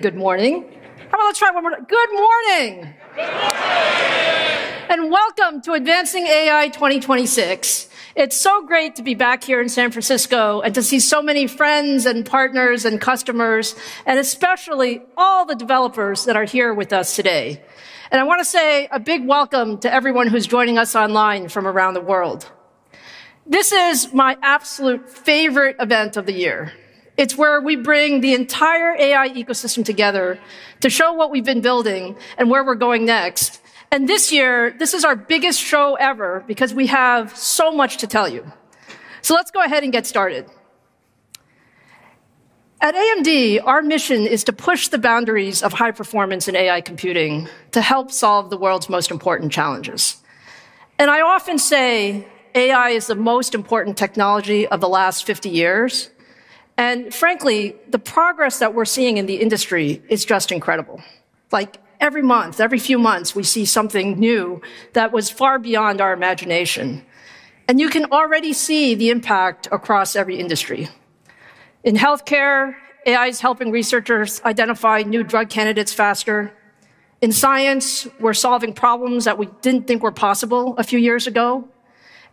Good morning. How about let's try one more? Good morning. Good morning. Welcome to Advancing AI 2026. It's so great to be back here in San Francisco and to see so many friends and partners and customers, and especially all the developers that are here with us today. I want to say a big welcome to everyone who's joining us online from around the world. This is my absolute favorite event of the year. It's where we bring the entire AI ecosystem together to show what we've been building and where we're going next. This year, this is our biggest show ever because we have so much to tell you. Let's go ahead and get started. At AMD, our mission is to push the boundaries of high performance in AI computing to help solve the world's most important challenges. I often say AI is the most important technology of the last 50 years. Frankly, the progress that we're seeing in the industry is just incredible. Every few months, we see something new that was far beyond our imagination. You can already see the impact across every industry. In healthcare, AI is helping researchers identify new drug candidates faster. In science, we're solving problems that we didn't think were possible a few years ago.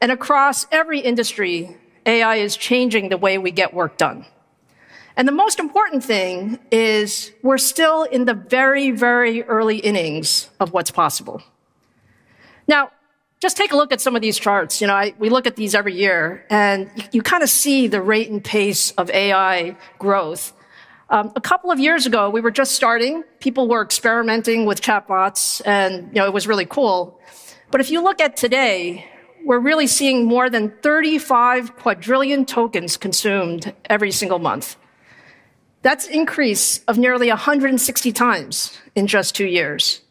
Across every industry, AI is changing the way we get work done. The most important thing is we're still in the very early innings of what's possible. Just take a look at some of these charts. We look at these every year. You kind of see the rate and pace of AI growth. A couple of years ago, we were just starting. People were experimenting with chatbots. It was really cool. If you look at today, we're really seeing more than 35 quadrillion tokens consumed every single month. That's increase of nearly 160 times in just two years.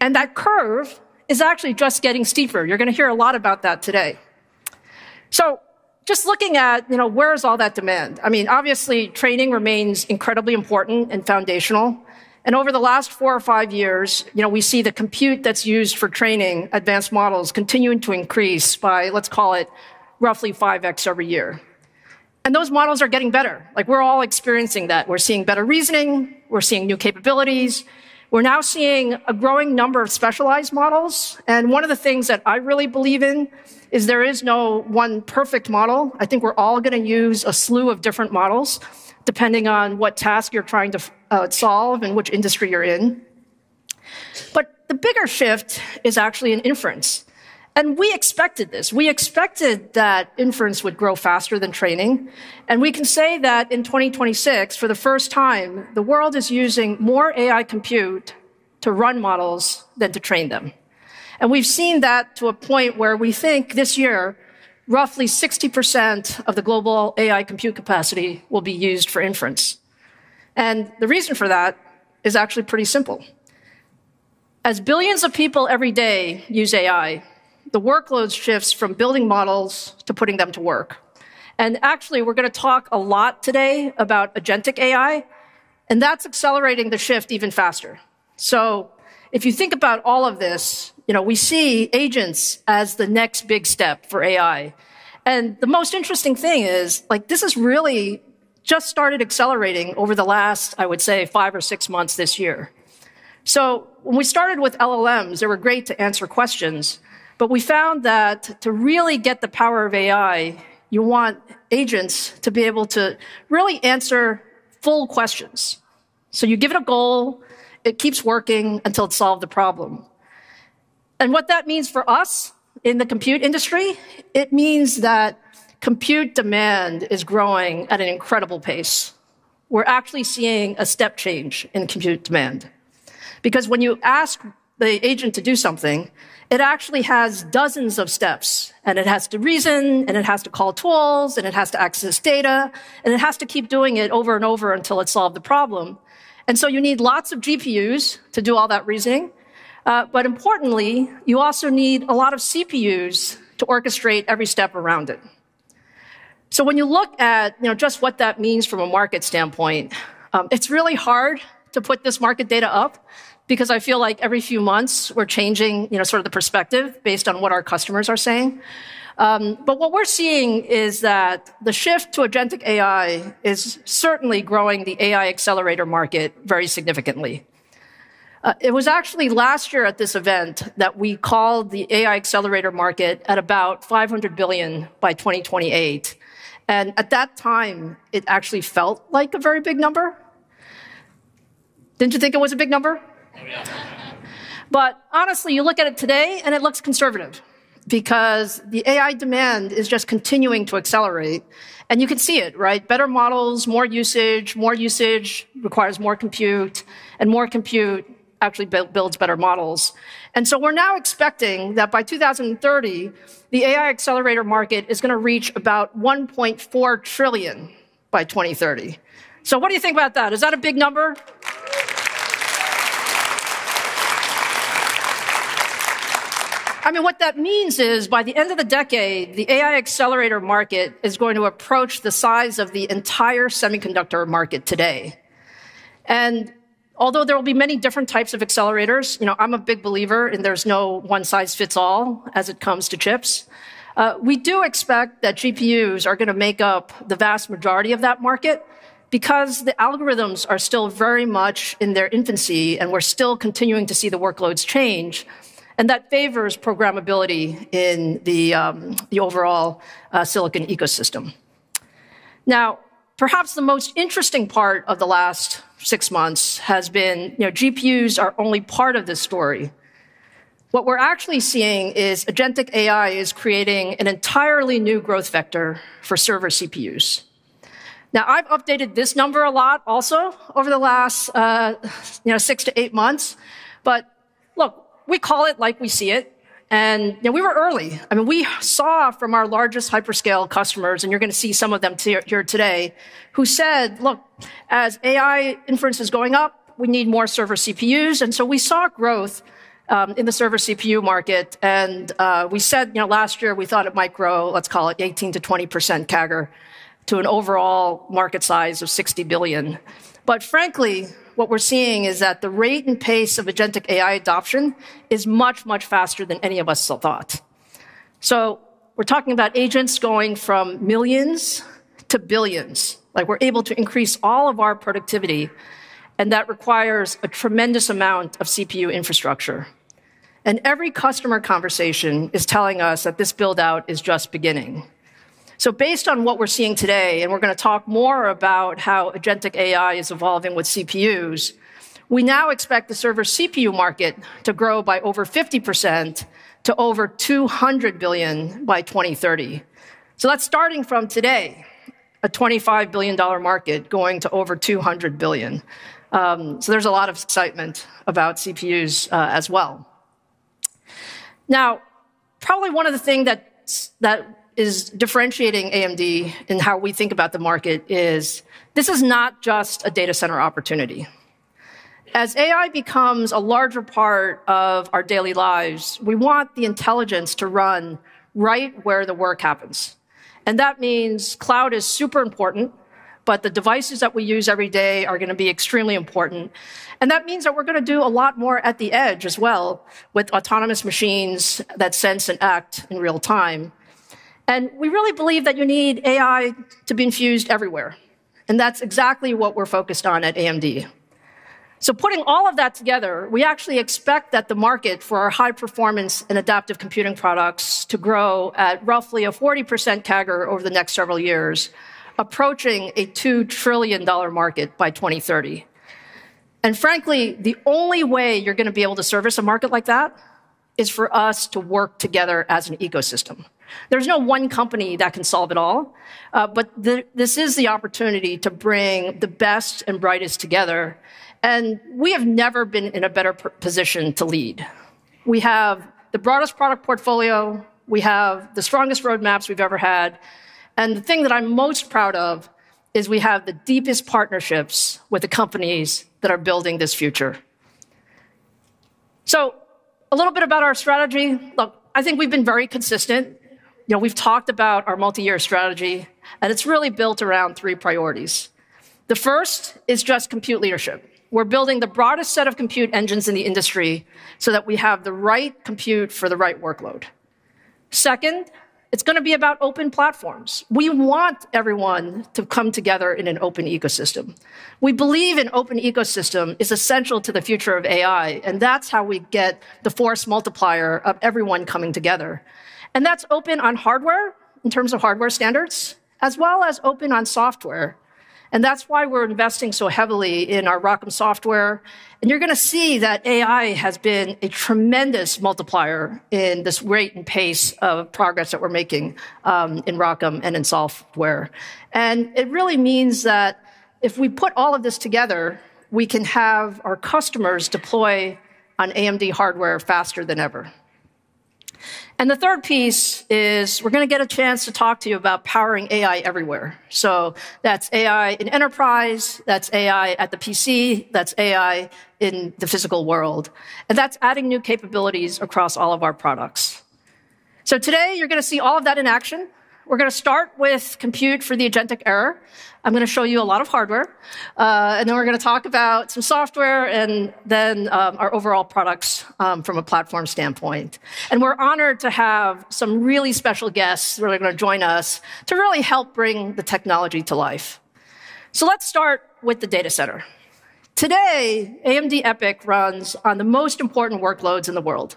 That curve is actually just getting steeper. You're going to hear a lot about that today. Just looking at where is all that demand, obviously training remains incredibly important and foundational. Over the last four or five years, we see the compute that's used for training advanced models continuing to increase by, let's call it, roughly 5x every year. Those models are getting better. We're all experiencing that. We're seeing better reasoning. We're seeing new capabilities. We're now seeing a growing number of specialized models. One of the things that I really believe in is there is no one perfect model. I think we're all going to use a slew of different models depending on what task you're trying to solve and which industry you're in. The bigger shift is actually in inference. We expected this. We expected that inference would grow faster than training. We can say that in 2026, for the first time, the world is using more AI compute to run models than to train them. We've seen that to a point where we think this year, roughly 60% of the global AI compute capacity will be used for inference. The reason for that is actually pretty simple. As billions of people every day use AI, the workloads shifts from building models to putting them to work. Actually, we're going to talk a lot today about agentic AI. That's accelerating the shift even faster. If you think about all of this, we see agents as the next big step for AI. The most interesting thing is this has really just started accelerating over the last, I would say, five or six months this year. When we started with LLMs, they were great to answer questions, we found that to really get the power of AI, you want agents to be able to really answer full questions. You give it a goal. It keeps working until it's solved the problem. What that means for us in the compute industry, it means that compute demand is growing at an incredible pace. We're actually seeing a step change in compute demand because when you ask the agent to do something, it actually has dozens of steps, it has to reason, it has to call tools, it has to access data, it has to keep doing it over and over until it's solved the problem. You need lots of GPUs to do all that reasoning. Importantly, you also need a lot of CPUs to orchestrate every step around it. When you look at just what that means from a market standpoint, it's really hard to put this market data up because I feel like every few months we're changing the perspective based on what our customers are saying. What we're seeing is that the shift to agentic AI is certainly growing the AI accelerator market very significantly. It was actually last year at this event that we called the AI accelerator market at about $500 billion by 2028. At that time, it actually felt like a very big number. Didn't you think it was a big number? Oh, yeah. Honestly, you look at it today and it looks conservative because the AI demand is just continuing to accelerate, you can see it, right? Better models, more usage. More usage requires more compute, more compute actually builds better models. We're now expecting that by 2030, the AI accelerator market is going to reach about $1.4 trillion by 2030. What do you think about that? Is that a big number? What that means is by the end of the decade, the AI accelerator market is going to approach the size of the entire semiconductor market today. Although there will be many different types of accelerators, I'm a big believer in there's no one size fits all as it comes to chips. We do expect that GPUs are going to make up the vast majority of that market because the algorithms are still very much in their infancy, we're still continuing to see the workloads change, that favors programmability in the overall silicon ecosystem. Now, perhaps the most interesting part of the last six months has been GPUs are only part of this story. What we're actually seeing is agentic AI is creating an entirely new growth vector for server CPUs. Now, I've updated this number a lot also over the last six to eight months, look, we call it like we see it, we were early. We saw from our largest hyperscale customers, and you're going to see some of them here today, who said, "Look, as AI inference is going up, we need more server CPUs." We saw growth in the server CPU market, and we said last year we thought it might grow, let's call it 18%-20% CAGR to an overall market size of $60 billion. Frankly, what we're seeing is that the rate and pace of agentic AI adoption is much, much faster than any of us thought. We're talking about agents going from millions to billions. We're able to increase all of our productivity, and that requires a tremendous amount of CPU infrastructure. Every customer conversation is telling us that this build-out is just beginning. Based on what we're seeing today, and we're going to talk more about how agentic AI is evolving with CPUs, we now expect the server CPU market to grow by over 50% to over $200 billion by 2030. That's starting from today, a $25 billion market going to over $200 billion. There's a lot of excitement about CPUs as well. Probably one of the things that is differentiating AMD in how we think about the market is this is not just a data center opportunity. As AI becomes a larger part of our daily lives, we want the intelligence to run right where the work happens. That means cloud is super important, but the devices that we use every day are going to be extremely important, and that means that we're going to do a lot more at the edge as well with autonomous machines that sense and act in real time. We really believe that you need AI to be infused everywhere, and that's exactly what we're focused on at AMD. Putting all of that together, we actually expect that the market for our high-performance and adaptive computing products to grow at roughly a 40% CAGR over the next several years, approaching a $2 trillion market by 2030. Frankly, the only way you're going to be able to service a market like that is for us to work together as an ecosystem. There's no one company that can solve it all. This is the opportunity to bring the best and brightest together, and we have never been in a better position to lead. We have the broadest product portfolio, we have the strongest roadmaps we've ever had, and the thing that I'm most proud of is we have the deepest partnerships with the companies that are building this future. A little bit about our strategy. I think we've been very consistent. We've talked about our multi-year strategy, and it's really built around three priorities. The first is just compute leadership. We're building the broadest set of compute engines in the industry so that we have the right compute for the right workload. Second, it's going to be about open platforms. We want everyone to come together in an open ecosystem. We believe an open ecosystem is essential to the future of AI, that's how we get the force multiplier of everyone coming together. That's open on hardware in terms of hardware standards, as well as open on software, that's why we're investing so heavily in our ROCm software. You're going to see that AI has been a tremendous multiplier in this rate and pace of progress that we're making in ROCm and in software. It really means that if we put all of this together, we can have our customers deploy on AMD hardware faster than ever. The third piece is we're going to get a chance to talk to you about powering AI everywhere. That's AI in enterprise, that's AI at the PC, that's AI in the physical world, that's adding new capabilities across all of our products. Today, you're going to see all of that in action. We're going to start with compute for the agentic era. I'm going to show you a lot of hardware, then we're going to talk about some software, then our overall products from a platform standpoint. We're honored to have some really special guests that are going to join us to really help bring the technology to life. Let's start with the data center. Today, AMD EPYC runs on the most important workloads in the world.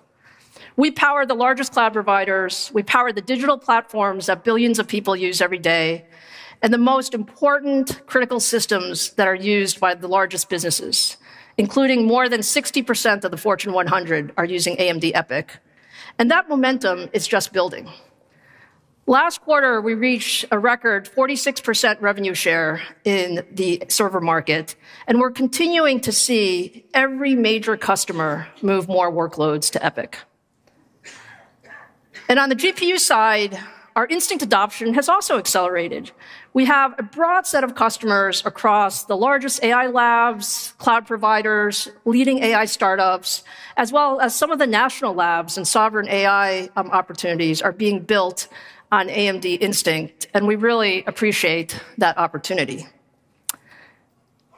We power the largest cloud providers, we power the digital platforms that billions of people use every day, the most important critical systems that are used by the largest businesses, including more than 60% of the Fortune 100 are using AMD EPYC, that momentum is just building. Last quarter, we reached a record 46% revenue share in the server market, we're continuing to see every major customer move more workloads to EPYC. On the GPU side, our Instinct adoption has also accelerated. We have a broad set of customers across the largest AI labs, cloud providers, leading AI startups, as well as some of the national labs and sovereign AI opportunities are being built on AMD Instinct, we really appreciate that opportunity.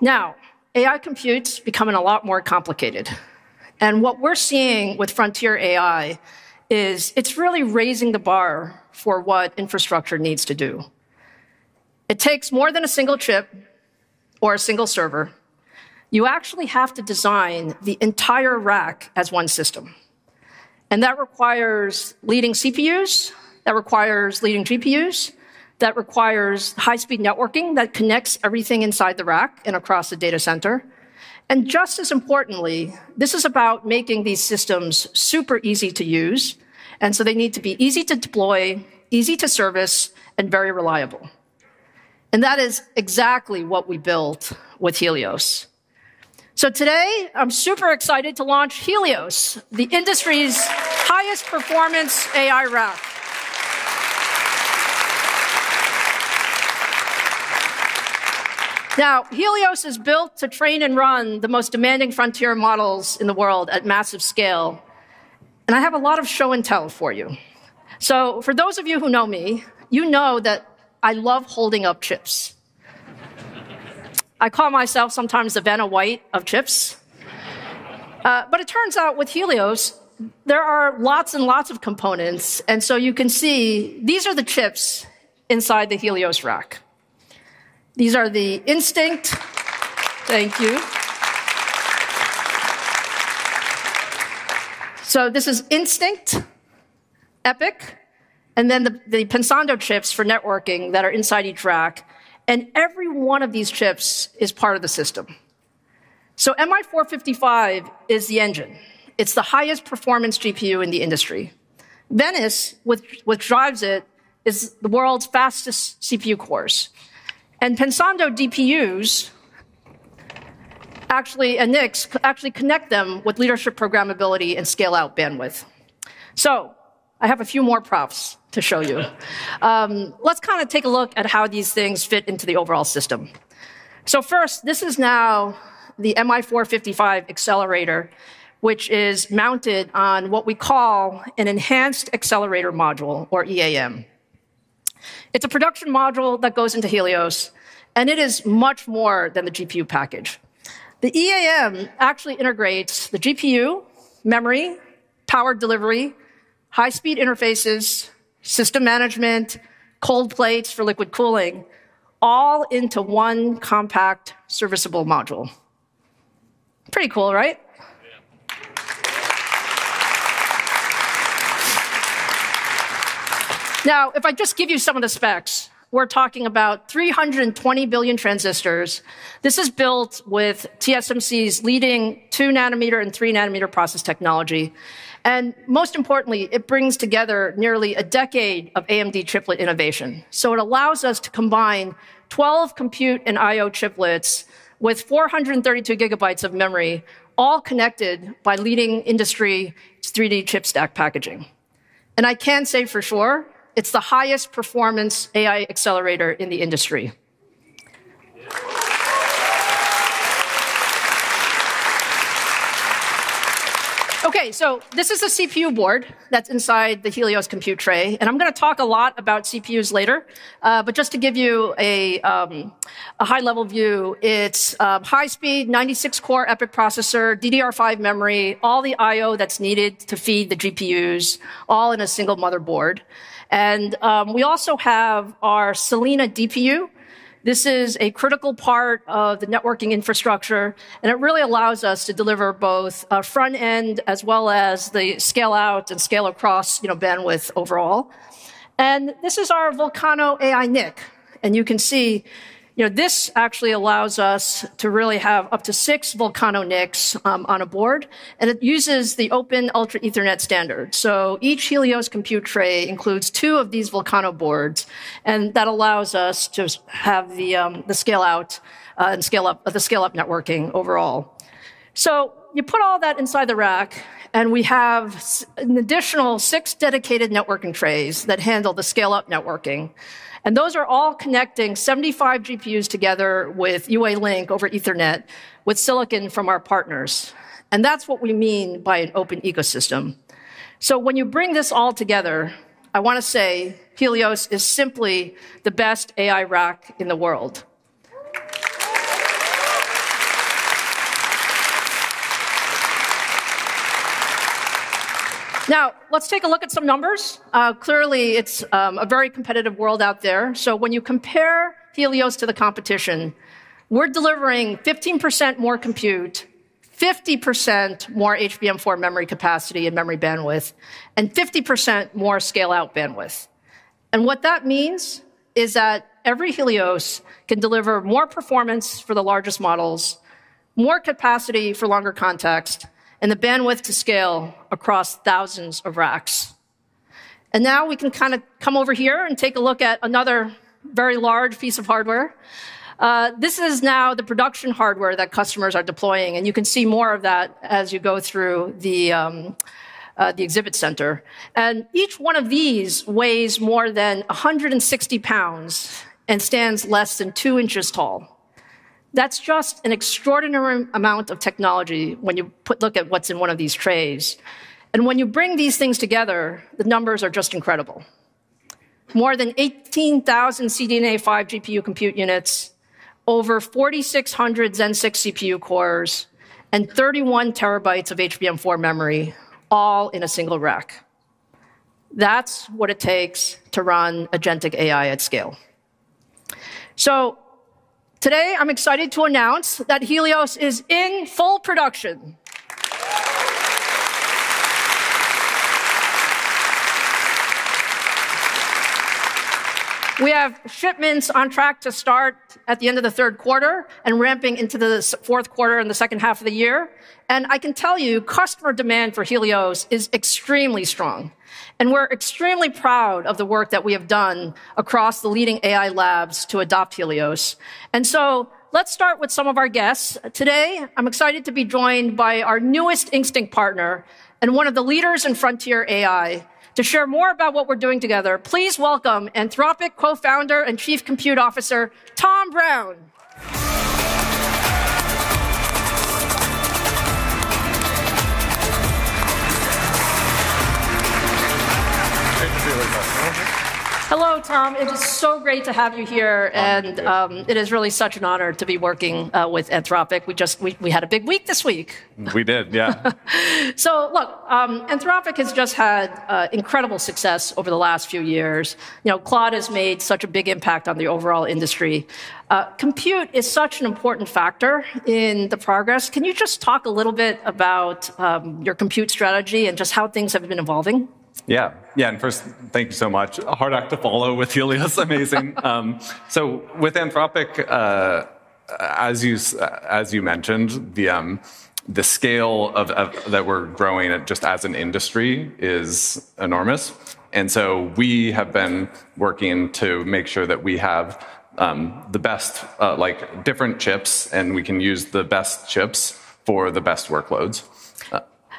AI compute's becoming a lot more complicated. What we're seeing with frontier AI is it's really raising the bar for what infrastructure needs to do. It takes more than a single chip or a single server. You actually have to design the entire rack as one system, that requires leading CPUs, that requires leading GPUs, that requires high-speed networking that connects everything inside the rack and across the data center. Just as importantly, this is about making these systems super easy to use. They need to be easy to deploy, easy to service, and very reliable. That is exactly what we built with Helios. Today, I'm super excited to launch Helios, the industry's highest performance AI rack. Helios is built to train and run the most demanding frontier models in the world at massive scale. I have a lot of show and tell for you. For those of you who know me, you know that I love holding up chips. I call myself sometimes the Vanna White of chips. It turns out with Helios, there are lots and lots of components. You can see, these are the chips inside the Helios rack. These are the Instinct. Thank you. This is Instinct, EPYC, and then the Pensando chips for networking that are inside each rack. Every one of these chips is part of the system. MI455 is the engine. It's the highest performance GPU in the industry. Venice, what drives it, is the world's fastest CPU cores. Pensando DPUs and NICs actually connect them with leadership programmability and scale-out bandwidth. I have a few more props to show you. Let's take a look at how these things fit into the overall system. First, this is now the MI455 accelerator, which is mounted on what we call an enhanced accelerator module, or EAM. It's a production module that goes into Helios, it is much more than the GPU package. The EAM actually integrates the GPU, memory, power delivery, high speed interfaces, system management, cold plates for liquid cooling, all into one compact serviceable module. Pretty cool, right? If I just give you some of the specs, we're talking about 320 billion transistors. This is built with TSMC's leading 2 nm and 3 nm process technology. Most importantly, it brings together nearly a decade of AMD chiplet innovation. It allows us to combine 12 compute and IO chiplets with 432 GB of memory, all connected by leading industry's 3D chip stacking packaging. I can say for sure, it's the highest performance AI accelerator in the industry. This is the CPU board that's inside the Helios compute tray, I'm going to talk a lot about CPUs later. Just to give you a high level view, it's a high speed 96 core EPYC processor, DDR5 memory, all the IO that's needed to feed the GPUs, all in a single motherboard. We also have our Salina DPU. This is a critical part of the networking infrastructure, it really allows us to deliver both a front end as well as the scale out and scale across bandwidth overall. This is our Vulcano AI NIC. You can see, this actually allows us to really have up to six Vulcano NICs on a board, and it uses the open Ultra Ethernet standard. Each Helios compute tray includes two of these Vulcano boards, that allows us to have the scale out and the scale-up networking overall. You put all that inside the rack, we have an additional six dedicated networking trays that handle the scale-up networking, those are all connecting 75 GPUs together with UALink over Ethernet with Silicon from our partners. That's what we mean by an open ecosystem. When you bring this all together, I want to say Helios is simply the best AI rack in the world. Now, let's take a look at some numbers. Clearly, it's a very competitive world out there. When you compare Helios to the competition, we're delivering 15% more compute, 50% more HBM4 memory capacity and memory bandwidth, and 50% more scale-out bandwidth. What that means is that every Helios can deliver more performance for the largest models, more capacity for longer context, and the bandwidth to scale across thousands of racks. Now we can come over here and take a look at another very large piece of hardware. This is now the production hardware that customers are deploying, you can see more of that as you go through the exhibit center. Each one of these weighs more than 160 pounds and stands less than two inches tall. That's just an extraordinary amount of technology when you look at what's in one of these trays. When you bring these things together, the numbers are just incredible. More than 18,000 CDNA five GPU compute units, over 4,600 Zen 6 CPU cores, and 31 terabytes of HBM4 memory, all in a single rack. That's what it takes to run agentic AI at scale. Today, I'm excited to announce that Helios is in full production. We have shipments on track to start at the end of the third quarter and ramping into the fourth quarter in the second half of the year. I can tell you, customer demand for Helios is extremely strong, we're extremely proud of the work that we have done across the leading AI labs to adopt Helios. Let's start with some of our guests. Today, I'm excited to be joined by our newest Instinct partner and one of the leaders in frontier AI. To share more about what we're doing together, please welcome Anthropic Co-founder and Chief Compute Officer, Tom Brown. Good to see you, Lisa. Hello, Tom. It is so great to have you here. Nice to be here. It is really such an honor to be working with Anthropic. We had a big week this week. We did, yeah. Look, Anthropic has just had incredible success over the last few years. Claude has made such a big impact on the overall industry. Compute is such an important factor in the progress. Can you just talk a little bit about your compute strategy and just how things have been evolving? Yeah. First, thank you so much. A hard act to follow with Helios. Amazing. With Anthropic, as you mentioned, the scale that we're growing at just as an industry is enormous. We have been working to make sure that we have the best different chips, and we can use the best chips for the best workloads.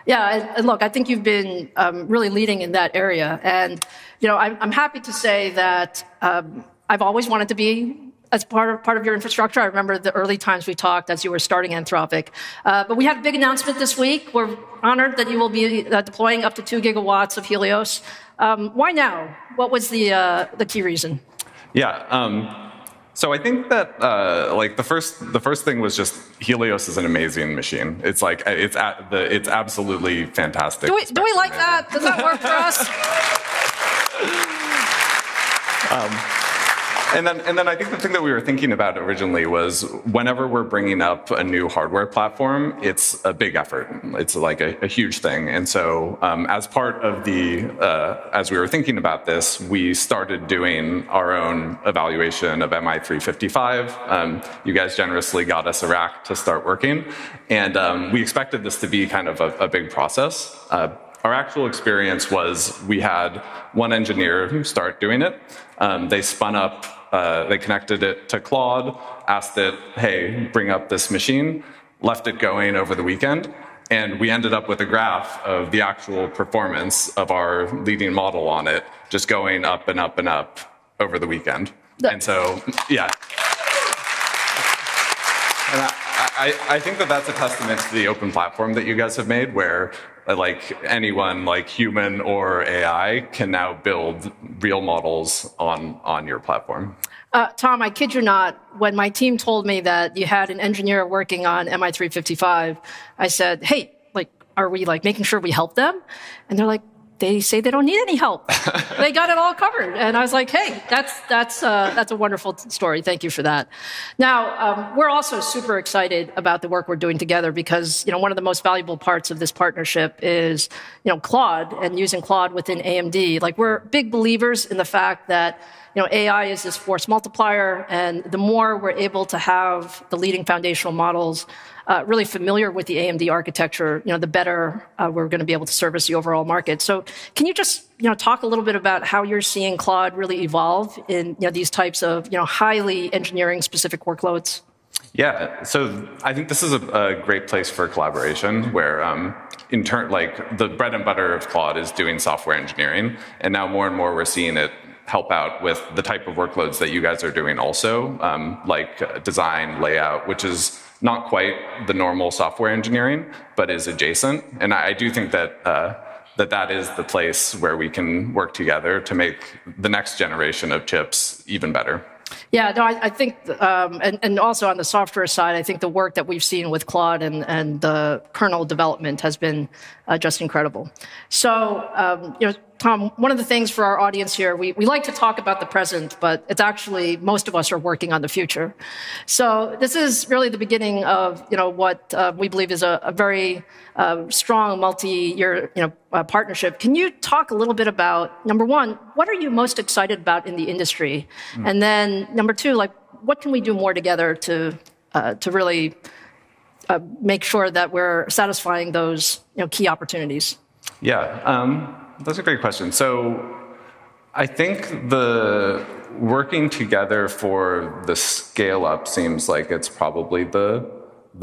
Yeah. Look, I think you've been really leading in that area, and I'm happy to say that I've always wanted to be a part of your infrastructure. I remember the early times we talked as you were starting Anthropic. We had a big announcement this week. We're honored that you will be deploying up to 2 GW of Helios. Why now? What was the key reason? Yeah. I think that the first thing was just Helios is an amazing machine. It's absolutely fantastic. Do we like that? Does that work for us? I think the thing that we were thinking about originally was whenever we're bringing up a new hardware platform, it's a big effort. It's a huge thing. As we were thinking about this, we started doing our own evaluation of MI355X. You guys generously got us a rack to start working, and we expected this to be a big process. Our actual experience was we had one engineer who started doing it. They connected it to Claude, asked it, "Hey, bring up this machine." Left it going over the weekend, and we ended up with a graph of the actual performance of our leading model on it, just going up and up and up over the weekend. Nice. Yeah. I think that that's a testament to the open platform that you guys have made, where anyone, human or AI, can now build real models on your platform. Tom, I kid you not, when my team told me that you had an engineer working on MI355X, I said, "Hey, are we making sure we help them?" They're like, "They say they don't need any help." They got it all covered. I was like, "Hey." That's a wonderful story. Thank you for that. Now, we're also super excited about the work we're doing together because one of the most valuable parts of this partnership is Claude and using Claude within AMD. We're big believers in the fact that AI is this force multiplier, and the more we're able to have the leading foundational models really familiar with the AMD architecture, the better we're going to be able to service the overall market. Can you just talk a little bit about how you're seeing Claude really evolve in these types of highly engineering-specific workloads? Yeah. I think this is a great place for collaboration, where the bread and butter of Claude is doing software engineering. Now more and more, we're seeing it help out with the type of workloads that you guys are doing also, like design, layout, which is not quite the normal software engineering, but is adjacent. I do think that is the place where we can work together to make the next generation of chips even better. Yeah. Also on the software side, I think the work that we've seen with Claude and the kernel development has been just incredible. Tom, one of the things for our audience here, we like to talk about the present, but it's actually most of us are working on the future. This is really the beginning of what we believe is a very strong multi-year partnership. Can you talk a little bit about, number one, what are you most excited about in the industry? Then number two what can we do more together to really make sure that we're satisfying those key opportunities? Yeah. That's a great question. I think working together for the scale-up seems like it's probably the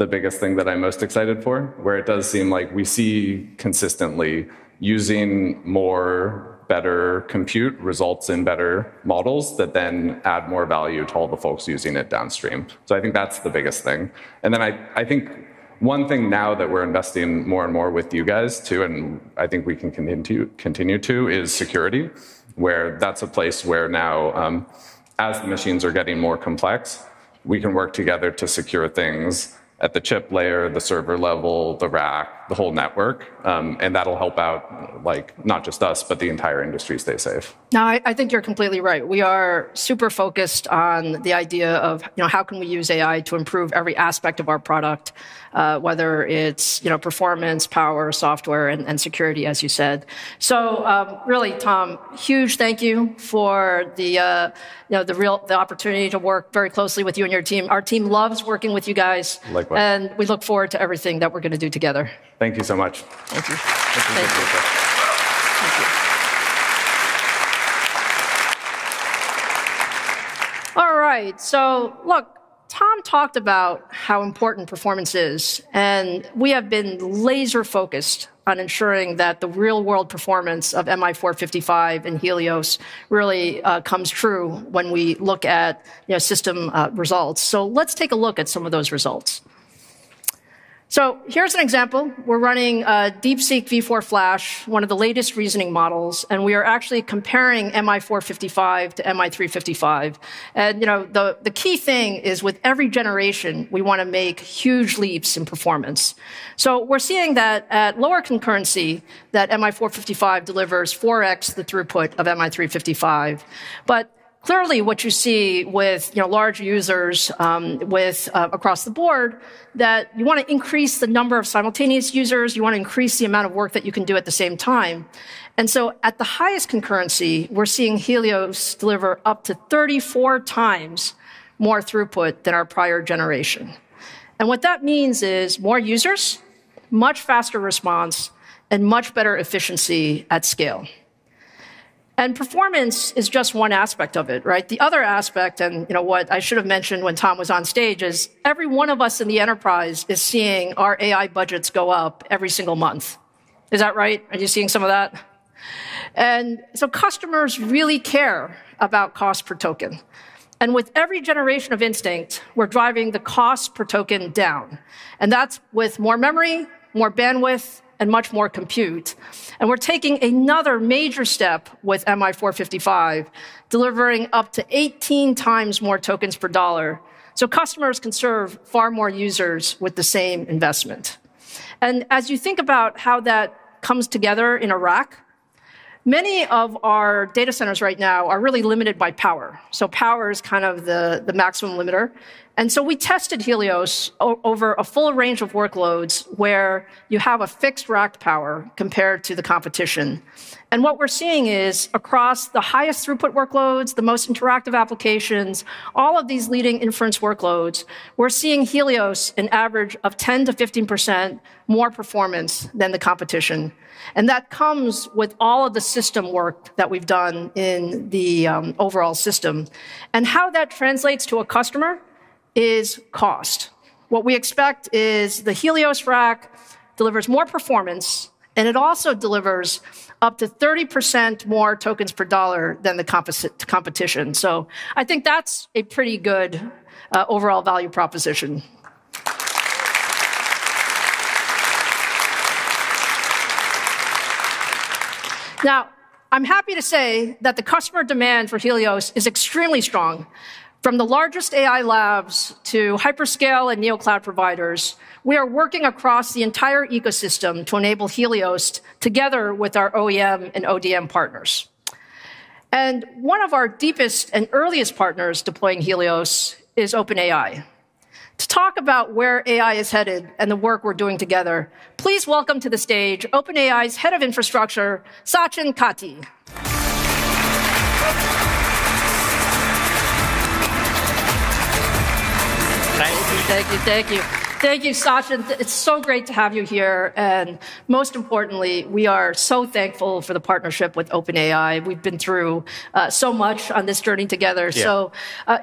biggest thing that I'm most excited for, where it does seem like we see consistently using more, better compute results in better models that then add more value to all the folks using it downstream. I think that's the biggest thing. Then I think one thing now that we're investing more and more with you guys too, and I think we can continue to, is security, where that's a place where now, as the machines are getting more complex, we can work together to secure things at the chip layer, the server level, the rack, the whole network. That'll help out, not just us, but the entire industry stay safe. No, I think you're completely right. We are super focused on the idea of how can we use AI to improve every aspect of our product, whether it's performance, power, software, and security, as you said. Really, Tom, huge thank you for the opportunity to work very closely with you and your team. Our team loves working with you guys. Likewise. We look forward to everything that we're going to do together. Thank you so much. Thank you. Thank you. All right. Look, Tom talked about how important performance is, we have been laser-focused on ensuring that the real-world performance of MI455 and Helios really comes true when we look at system results. Let's take a look at some of those results. Here's an example. We're running DeepSeek V4 Flash, one of the latest reasoning models, we are actually comparing MI455 to MI355. The key thing is, with every generation, we want to make huge leaps in performance. We're seeing that at lower concurrency, that MI455 delivers 4x the throughput of MI355. Clearly, what you see with large users across the board, that you want to increase the number of simultaneous users, you want to increase the amount of work that you can do at the same time. At the highest concurrency, we're seeing Helios deliver up to 34 times more throughput than our prior generation. What that means is more users, much faster response, and much better efficiency at scale. Performance is just one aspect of it, right? The other aspect, what I should have mentioned when Tom was on stage, is every one of us in the enterprise is seeing our AI budgets go up every single month. Is that right? Are you seeing some of that? Customers really care about cost per token. With every generation of Instinct, we're driving the cost per token down, and that's with more memory, more bandwidth, and much more compute. We're taking another major step with MI455, delivering up to 18 times more tokens per dollar, so customers can serve far more users with the same investment. As you think about how that comes together in a rack, many of our data centers right now are really limited by power. Power is the maximum limiter. We tested Helios over a full range of workloads where you have a fixed rack power compared to the competition. What we're seeing is, across the highest throughput workloads, the most interactive applications, all of these leading inference workloads, we're seeing Helios an average of 10%-15% more performance than the competition. That comes with all of the system work that we've done in the overall system. How that translates to a customer is cost. What we expect is the Helios rack delivers more performance, and it also delivers up to 30% more tokens per dollar than the competition. I think that's a pretty good overall value proposition. Now, I'm happy to say that the customer demand for Helios is extremely strong. From the largest AI labs to hyperscale and neo-cloud providers, we are working across the entire ecosystem to enable Helios together with our OEM and ODM partners. One of our deepest and earliest partners deploying Helios is OpenAI. To talk about where AI is headed and the work we're doing together, please welcome to the stage OpenAI's Head of Infrastructure, Sachin Katti. Thank you. Thank you, Sachin. It's so great to have you here, and most importantly, we are so thankful for the partnership with OpenAI. We've been through so much on this journey together. Yeah.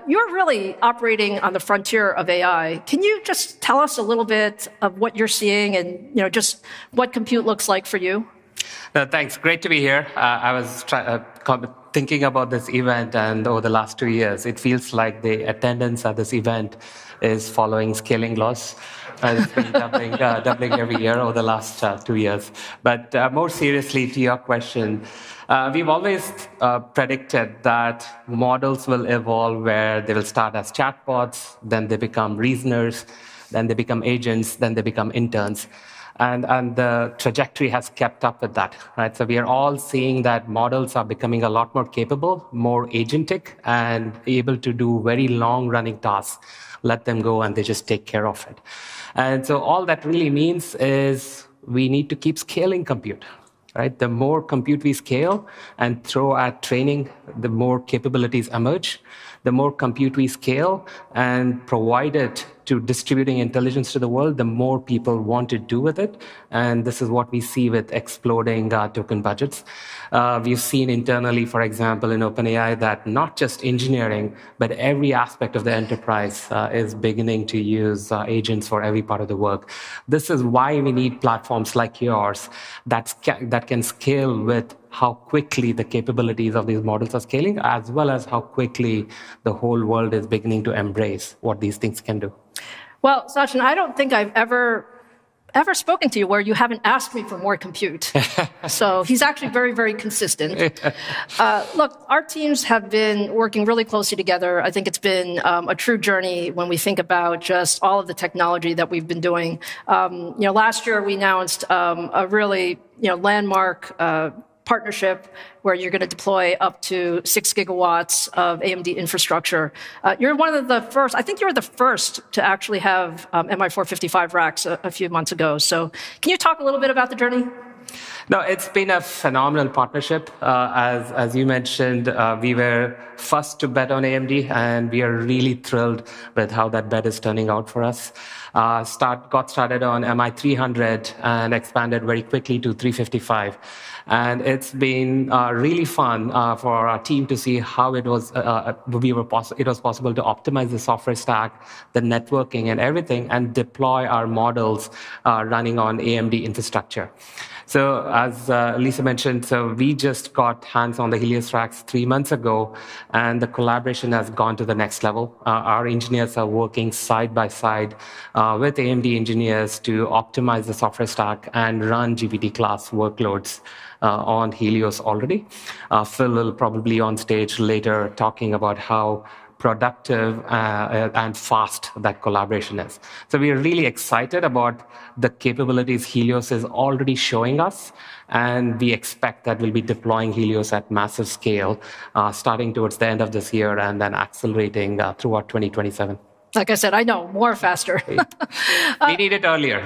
You're really operating on the frontier of AI. Can you just tell us a little bit of what you're seeing and just what compute looks like for you? Thanks. Great to be here. I was thinking about this event and over the last two years, it feels like the attendance at this event is following scaling laws, has been doubling every year over the last two years. More seriously, to your question, we've always predicted that models will evolve where they'll start as chatbots, then they become reasoners, then they become agents, then they become interns. The trajectory has kept up with that, right? We are all seeing that models are becoming a lot more capable, more agentic, and able to do very long-running tasks, let them go, and they just take care of it. All that really means is we need to keep scaling compute, right? The more compute we scale and throw at training, the more capabilities emerge. The more compute we scale and provide it to distributing intelligence to the world, the more people want to do with it, and this is what we see with exploding token budgets. We've seen internally, for example, in OpenAI, that not just engineering, but every aspect of the enterprise is beginning to use agents for every part of the work. This is why we need platforms like yours that can scale with how quickly the capabilities of these models are scaling, as well as how quickly the whole world is beginning to embrace what these things can do. Well, Sachin, I don't think I've ever spoken to you where you haven't asked me for more compute. He's actually very, very consistent. Look, our teams have been working really closely together. I think it's been a true journey when we think about just all of the technology that we've been doing. Last year we announced a really landmark partnership where you're going to deploy up to six GW of AMD infrastructure. You're one of the first, I think you're the first to actually have MI455X racks a few months ago. Can you talk a little bit about the journey? No, it's been a phenomenal partnership. As you mentioned, we were first to bet on AMD, we are really thrilled with how that bet is turning out for us. Got started on MI300 and expanded very quickly to 355, it's been really fun for our team to see how it was possible to optimize the software stack, the networking, and everything, and deploy our models running on AMD infrastructure. As Lisa mentioned, we just got hands on the Helios racks three months ago, the collaboration has gone to the next level. Our engineers are working side by side with AMD engineers to optimize the software stack and run GPT class workloads on Helios already. Phil will probably be on stage later talking about how productive and fast that collaboration is. We are really excited about the capabilities Helios is already showing us, we expect that we'll be deploying Helios at massive scale, starting towards the end of this year and then accelerating throughout 2027. Like I said, I know. More faster. We need it earlier.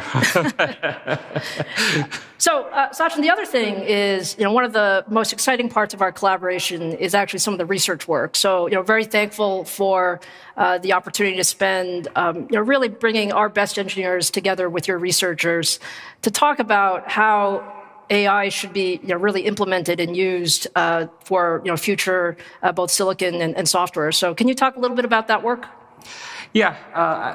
Sachin, the other thing is one of the most exciting parts of our collaboration is actually some of the research work. Very thankful for the opportunity to spend, really bringing our best engineers together with your researchers to talk about how AI should be really implemented and used for future both silicon and software. Can you talk a little bit about that work? Yeah.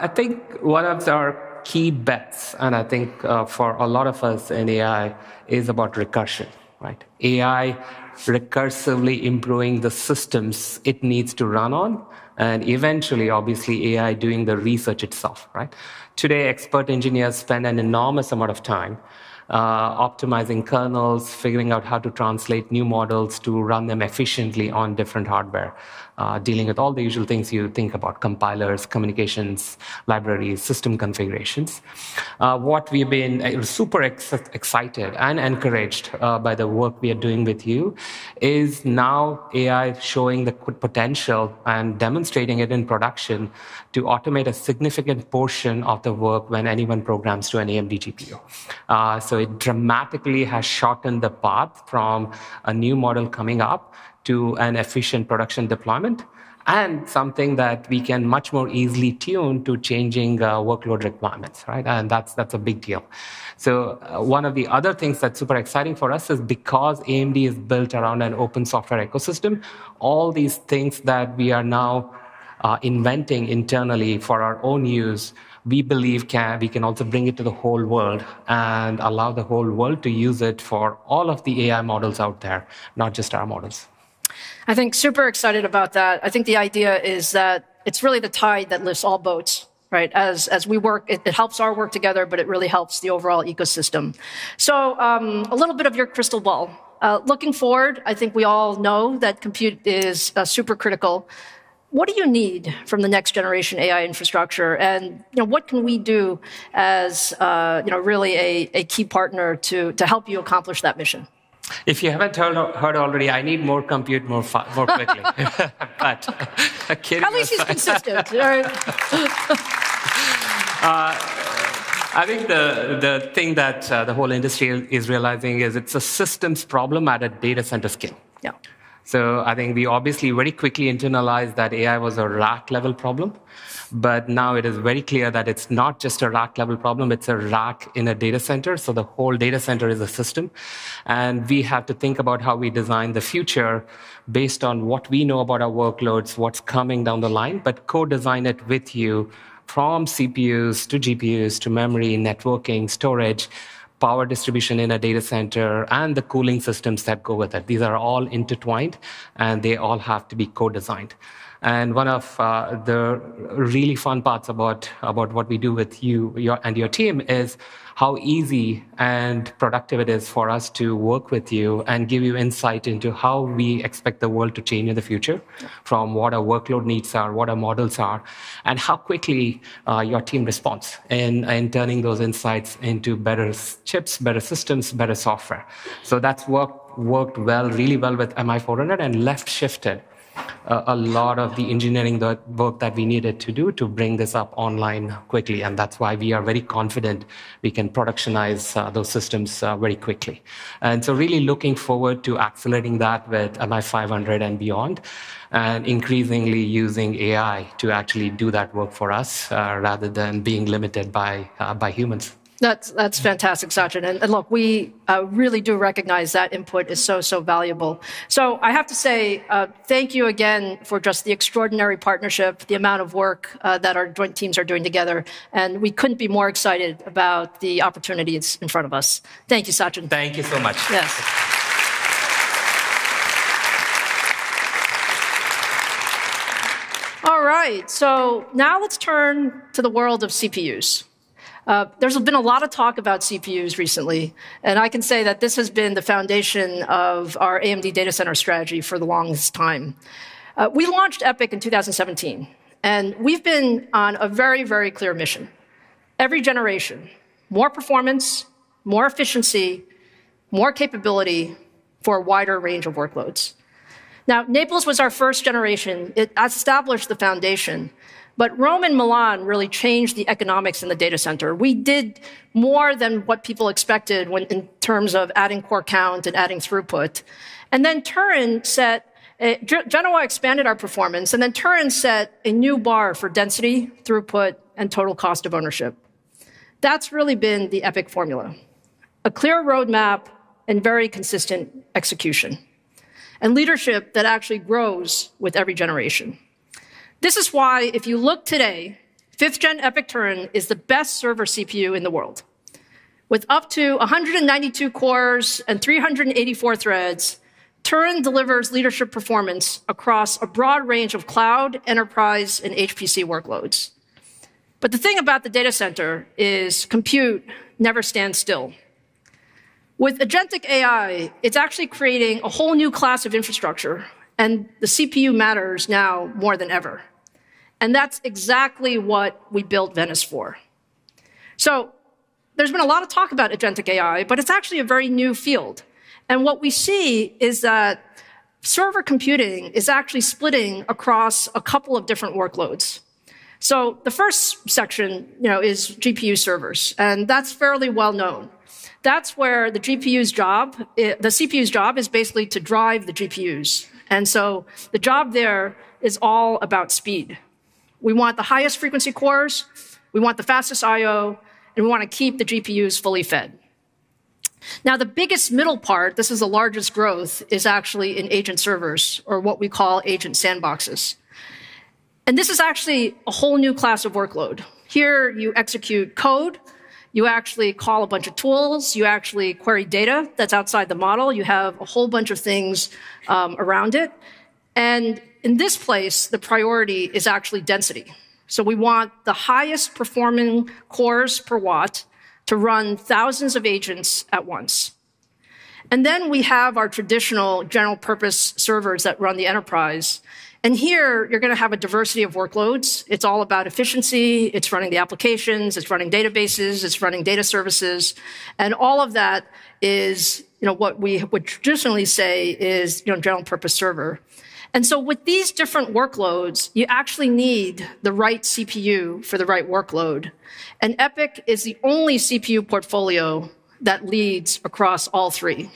I think one of our key bets, and I think for a lot of us in AI, is about recursion, right? AI recursively improving the systems it needs to run on, and eventually, obviously, AI doing the research itself, right? Today, expert engineers spend an enormous amount of time optimizing kernels, figuring out how to translate new models to run them efficiently on different hardware, dealing with all the usual things you would think about, compilers, communications, libraries, system configurations. What we've been super excited and encouraged by the work we are doing with you is now AI showing the potential and demonstrating it in production to automate a significant portion of the work when anyone programs to an AMD GPU. It dramatically has shortened the path from a new model coming up to an efficient production deployment, and something that we can much more easily tune to changing workload requirements, right? That's a big deal. One of the other things that's super exciting for us is because AMD is built around an open software ecosystem, all these things that we are now inventing internally for our own use, we believe we can also bring it to the whole world and allow the whole world to use it for all of the AI models out there, not just our models. I think super excited about that. I think the idea is that it's really the tide that lifts all boats, right? As we work, it helps our work together, but it really helps the overall ecosystem. A little bit of your crystal ball. Looking forward, I think we all know that compute is super critical. What do you need from the next generation AI infrastructure? What can we do as really a key partner to help you accomplish that mission? If you haven't heard already, I need more compute, more plenty. Kidding aside. At least he's consistent, right? I think the thing that the whole industry is realizing is it's a systems problem at a data center scale. Yeah. I think we obviously very quickly internalized that AI was a rack level problem, now it is very clear that it's not just a rack level problem, it's a rack in a data center, the whole data center is a system, and we have to think about how we design the future based on what we know about our workloads, what's coming down the line. Co-design it with you from CPUs to GPUs to memory, networking, storage, power distribution in a data center, and the cooling systems that go with it. These are all intertwined, and they all have to be co-designed. One of the really fun parts about what we do with you and your team is how easy and productive it is for us to work with you and give you insight into how we expect the world to change in the future from what our workload needs are, what our models are, and how quickly your team responds in turning those insights into better chips, better systems, better software. That's worked well, really well with MI400 and left shifted a lot of the engineering work that we needed to do to bring this up online quickly, and that's why we are very confident we can productionize those systems very quickly. Really looking forward to accelerating that with MI500 and beyond, and increasingly using AI to actually do that work for us, rather than being limited by humans. That's fantastic, Sachin. Look, we really do recognize that input is so valuable. I have to say thank you again for just the extraordinary partnership, the amount of work that our joint teams are doing together, and we couldn't be more excited about the opportunities in front of us. Thank you, Sachin. Thank you so much. All right. Now let's turn to the world of CPUs. There's been a lot of talk about CPUs recently, I can say that this has been the foundation of our AMD data center strategy for the longest time. We launched EPYC in 2017, we've been on a very clear mission. Every generation, more performance, more efficiency, more capability for a wider range of workloads. Naples was our first generation. It established the foundation, Rome and Milan really changed the economics in the data center. We did more than what people expected in terms of adding core count and adding throughput. Genoa expanded our performance, Turin set a new bar for density, throughput, and total cost of ownership. That's really been the EPYC formula, a clear roadmap and very consistent execution, leadership that actually grows with every generation. This is why, if you look today, 5th-gen EPYC Turin is the best server CPU in the world. With up to 192 cores and 384 threads, Turin delivers leadership performance across a broad range of cloud, enterprise, and HPC workloads. The thing about the data center is compute never stands still. With agentic AI, it's actually creating a whole new class of infrastructure, and the CPU matters now more than ever. That's exactly what we built Venice for. There's been a lot of talk about agentic AI, but it's actually a very new field. What we see is that server computing is actually splitting across a couple of different workloads. The first section is GPU servers, and that's fairly well-known. That's where the CPU's job is basically to drive the GPUs. The job there is all about speed. We want the highest frequency cores, we want the fastest IO, and we want to keep the GPUs fully fed. The biggest middle part, this is the largest growth, is actually in agent servers or what we call agent sandboxes. This is actually a whole new class of workload. Here, you execute code, you actually call a bunch of tools, you actually query data that's outside the model. You have a whole bunch of things around it. In this place, the priority is actually density. We want the highest performing cores per watt to run thousands of agents at once. Then we have our traditional general-purpose servers that run the enterprise. Here you're going to have a diversity of workloads. It's all about efficiency. It's running the applications, it's running databases, it's running data services. All of that is what we would traditionally say is general-purpose server. With these different workloads, you actually need the right CPU for the right workload. EPYC is the only CPU portfolio that leads across all three.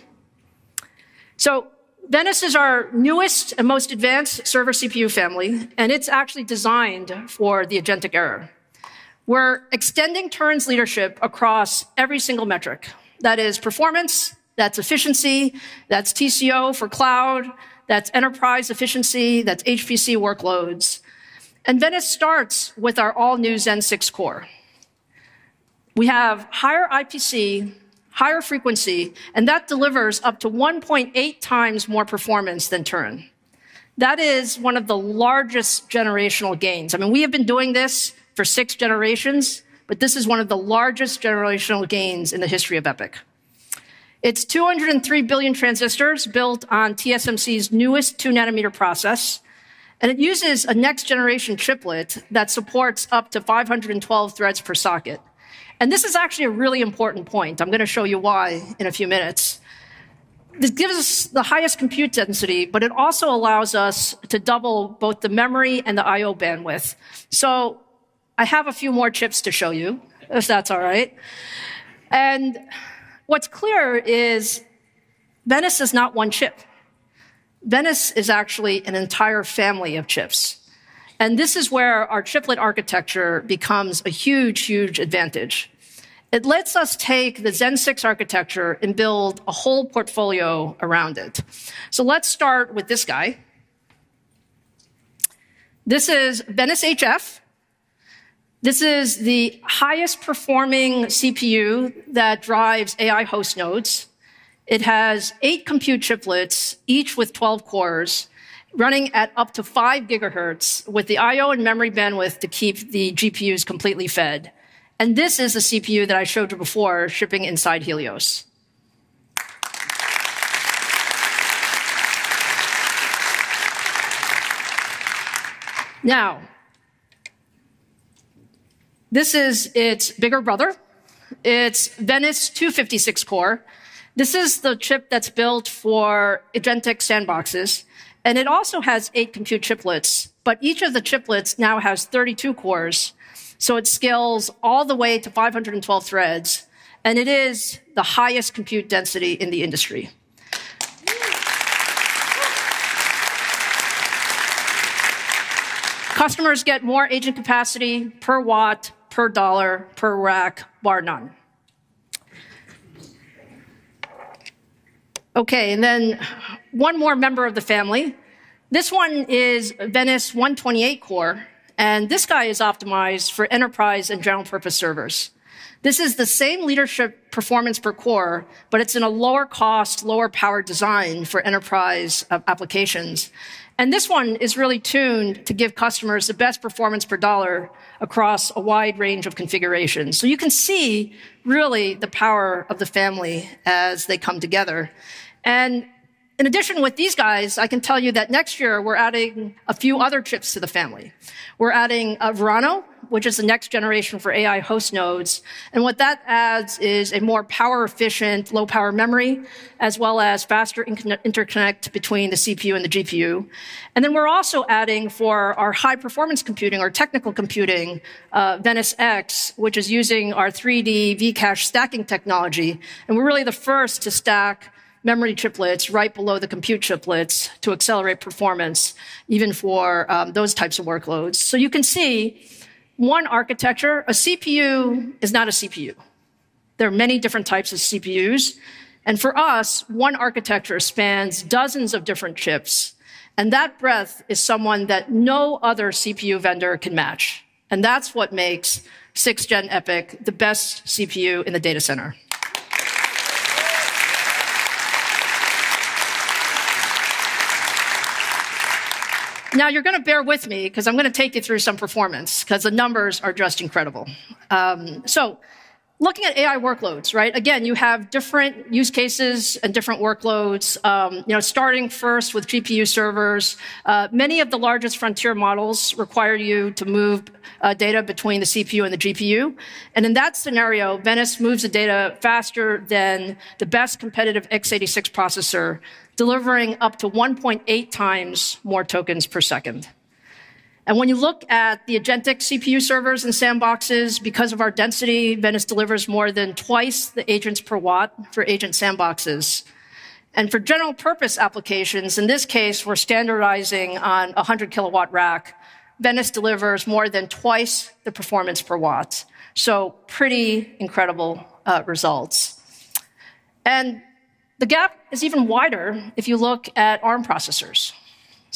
Venice is our newest and most advanced server CPU family, and it's actually designed for the agentic era. We're extending Turin's leadership across every single metric. That is performance, that's efficiency, that's TCO for cloud, that's enterprise efficiency, that's HVC workloads. Venice starts with our all-new Zen 6 core. We have higher IPC, higher frequency, and that delivers up to 1.8x more performance than Turin. That is one of the largest generational gains. We have been doing this for six generations, but this is one of the largest generational gains in the history of EPYC. It's 203 billion transistors built on TSMC's newest 2-nm process, and it uses a next-generation triplet that supports up to 512 threads per socket. This is actually a really important point. I'm going to show you why in a few minutes. This gives us the highest compute density, but it also allows us to double both the memory and the IO bandwidth. I have a few more chips to show you, if that's all right. What's clear is Venice is not one chip. Venice is actually an entire family of chips, this is where our triplet architecture becomes a huge advantage. It lets us take the Zen 6 architecture and build a whole portfolio around it. Let's start with this guy. This is Venice HF. This is the highest-performing CPU that drives AI host nodes. It has eight compute chiplets, each with 12 cores running at up to 5 GHz with the I/O and memory bandwidth to keep the GPUs completely fed. This is the CPU that I showed you before shipping inside Helios. This is its bigger brother. It's EPYC Venice 256-core. This is the chip that's built for agentic sandboxes. It also has eight compute chiplets. Each of the chiplets now has 32 cores, so it scales all the way to 512 threads. It is the highest compute density in the industry. Customers get more agent capacity per watt, per dollar, per rack, bar none. One more member of the family. This one is EPYC Venice 128-core. This guy is optimized for enterprise and general purpose servers. This is the same leadership performance per core, but it's in a lower cost, lower power design for enterprise applications. This one is really tuned to give customers the best performance per dollar across a wide range of configurations. You can see really the power of the family as they come together. In addition with these guys, I can tell you that next year we're adding a few other chips to the family. We're adding Verano, which is the next generation for AI host nodes. What that adds is a more power efficient, low power memory, as well as faster interconnect between the CPU and the GPU. We're also adding for our high performance computing or technical computing, EPYC Venice-X, which is using our 3D V-Cache stacking technology. We're really the first to stack memory chiplets right below the compute chiplets to accelerate performance even for those types of workloads. You can see one architecture. A CPU is not a CPU. There are many different types of CPUs. For us, one architecture spans dozens of different chips. That breadth is someone that no other CPU vendor can match. That's what makes 6th-gen EPYC the best CPU in the data center. You're going to bear with me because I'm going to take you through some performance because the numbers are just incredible. Looking at AI workloads. Again, you have different use cases and different workloads, starting first with GPU servers. Many of the largest frontier models require you to move data between the CPU and the GPU. In that scenario, EPYC Venice moves the data faster than the best competitive x86 processor, delivering up to 1.8x more tokens per second. When you look at the agentic CPU servers and sandboxes, because of our density, EPYC Venice delivers more than twice the agents per watt for agent sandboxes. For general purpose applications, in this case, we're standardizing on 100 KW rack. EPYC Venice delivers more than twice the performance per watt. Pretty incredible results. The gap is even wider if you look at Arm processors.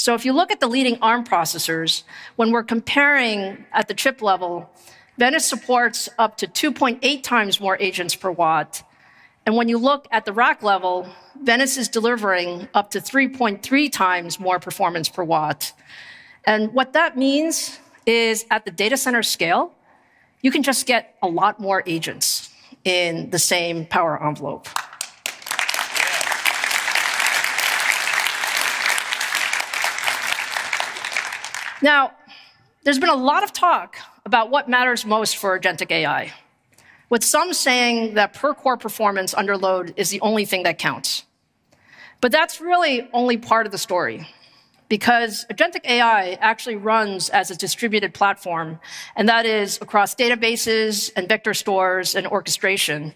If you look at the leading Arm processors, when we're comparing at the chip level, EPYC Venice supports up to 2.8x more agents per watt. When you look at the rack level, Venice is delivering up to 3.3x more performance per watt. What that means is at the data center scale, you can just get a lot more agents in the same power envelope. There's been a lot of talk about what matters most for agentic AI, with some saying that per core performance under load is the only thing that counts. That's really only part of the story because agentic AI actually runs as a distributed platform, that is across databases and vector stores and orchestration.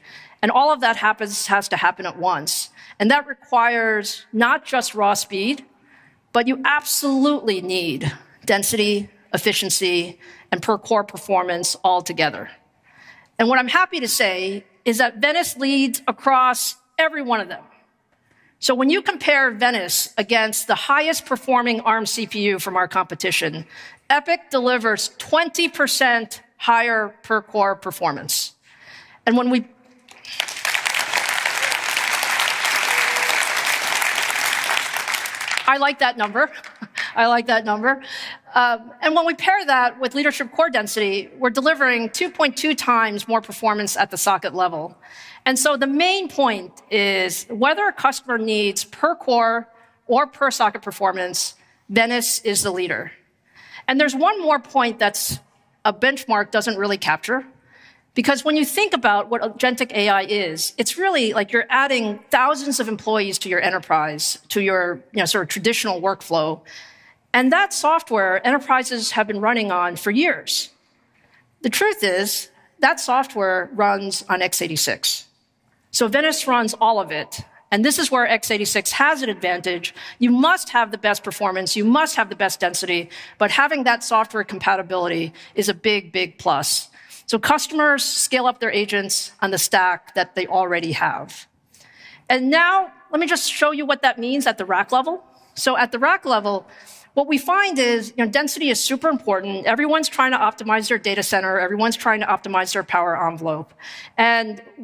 All of that has to happen at once. That requires not just raw speed, but you absolutely need density, efficiency, and per core performance all together. What I'm happy to say is that Venice leads across every one of them. When you compare Venice against the highest performing Arm CPU from our competition, EPYC delivers 20% higher per core performance. When we I like that number. I like that number. When we pair that with leadership core density, we're delivering 2.2x more performance at the socket level. The main point is whether a customer needs per core or per socket performance, Venice is the leader. There's one more point that a benchmark doesn't really capture, because when you think about what agentic AI is, it's really like you're adding thousands of employees to your enterprise, to your traditional workflow. That software enterprises have been running on for years. The truth is, that software runs on x86, so Venice runs all of it, and this is where x86 has an advantage. You must have the best performance, you must have the best density, but having that software compatibility is a big plus. Customers scale up their agents on the stack that they already have. Now let me just show you what that means at the rack level. At the rack level, what we find is density is super important. Everyone's trying to optimize their data center. Everyone's trying to optimize their power envelope.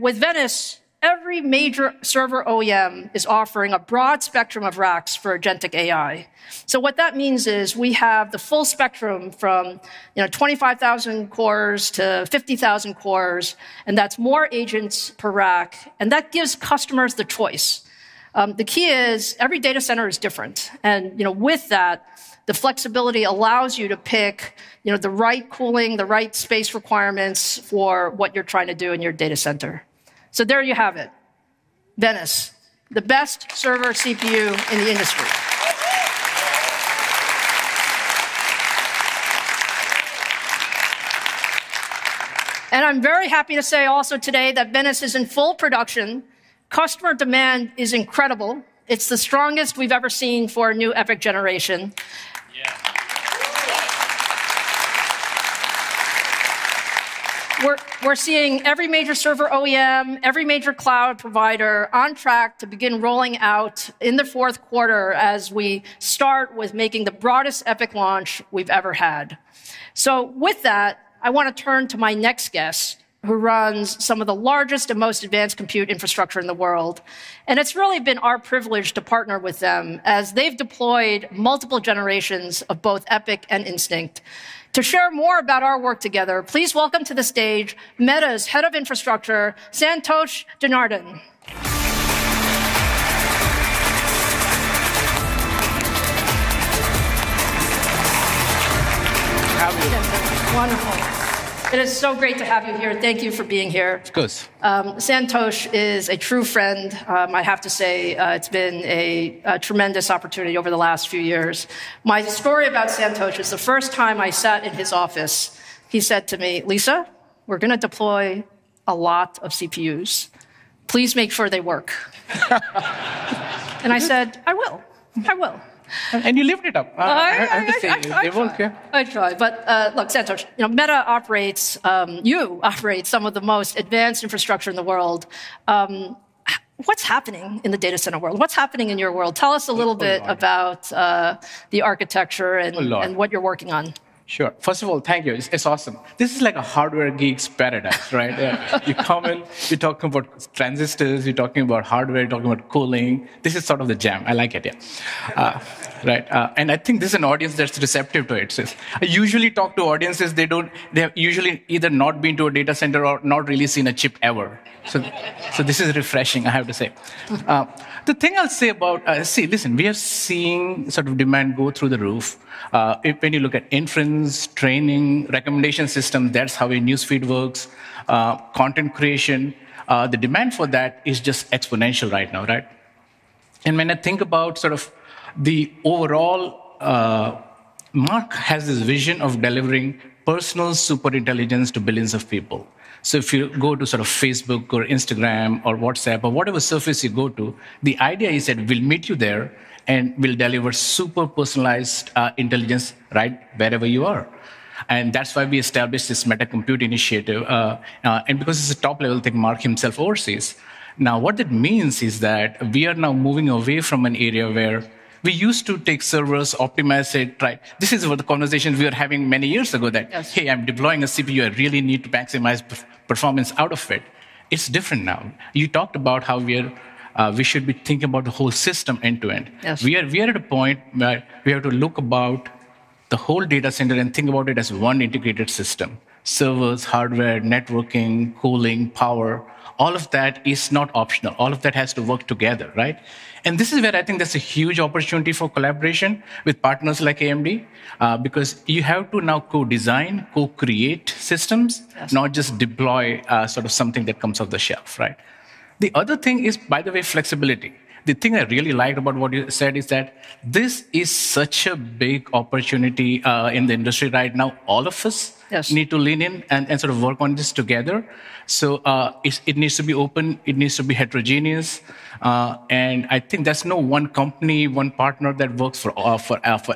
With Venice, every major server OEM is offering a broad spectrum of racks for agentic AI. What that means is we have the full spectrum from 25,000 cores to 50,000 cores, that's more agents per rack, that gives customers the choice. The key is every data center is different, with that, the flexibility allows you to pick the right cooling, the right space requirements for what you're trying to do in your data center. There you have it, Venice, the best server CPU in the industry. I'm very happy to say also today that Venice is in full production. Customer demand is incredible. It's the strongest we've ever seen for a new EPYC generation. We're seeing every major server OEM, every major cloud provider on track to begin rolling out in the fourth quarter as we start with making the broadest EPYC launch we've ever had. With that, I want to turn to my next guest, who runs some of the largest and most advanced compute infrastructure in the world. It's really been our privilege to partner with them as they've deployed multiple generations of both EPYC and Instinct. To share more about our work together, please welcome to the stage Meta's Head of Infrastructure, Santosh Janardhan. How are you? Wonderful. It is so great to have you here. Thank you for being here. Of course. Santosh is a true friend. I have to say, it's been a tremendous opportunity over the last few years. My story about Santosh is the first time I sat in his office, he said to me, "Lisa, we're going to deploy a lot of CPUs. Please make sure they work." I said, "I will. I will. You lived it up. I try. They won't care. I try. Look, Santosh, Meta operates, you operate some of the most advanced infrastructure in the world. What's happening in the data center world? What's happening in your world? Tell us a little bit about the architecture. What you're working on. Sure. First of all, thank you. It's awesome. This is like a hardware geek's paradise, right? You come in, you're talking about transistors, you're talking about hardware, you're talking about cooling. This is sort of the jam. I like it here. Right. I think this is an audience that's receptive to it. I usually talk to audiences, they have usually either not been to a data center or not really seen a chip ever. This is refreshing, I have to say. The thing I'll say about. See, listen, we are seeing demand go through the roof. When you look at inference, training, recommendation system, that's how a newsfeed works. Content creation, the demand for that is just exponential right now, right? When I think about the overall, Mark has this vision of delivering personal super intelligence to billions of people. If you go to Facebook or Instagram or WhatsApp or whatever surface you go to, the idea is that we'll meet you there, and we'll deliver super personalized intelligence right wherever you are. That's why we established this Meta Compute Initiative, because it's a top-level thing Mark himself oversees. What that means is that we are now moving away from an area where we used to take servers, optimize it, right? This is what the conversations we were having many years ago. Yes Hey, I'm deploying a CPU, I really need to maximize performance out of it. It's different now. You talked about how we should be thinking about the whole system end to end. Yes. We are at a point where we have to look about the whole data center and think about it as one integrated system. Servers, hardware, networking, cooling, power, all of that is not optional. All of that has to work together, right? This is where I think there's a huge opportunity for collaboration with partners like AMD, because you have to now co-design, co-create systems. Yes. Not just deploy something that comes off the shelf, right? The other thing is, by the way, flexibility. The thing I really like about what you said is that this is such a big opportunity in the industry right now. All of us. Yes. Need to lean in and work on this together. It needs to be open. It needs to be heterogeneous. I think there's no one company, one partner that works for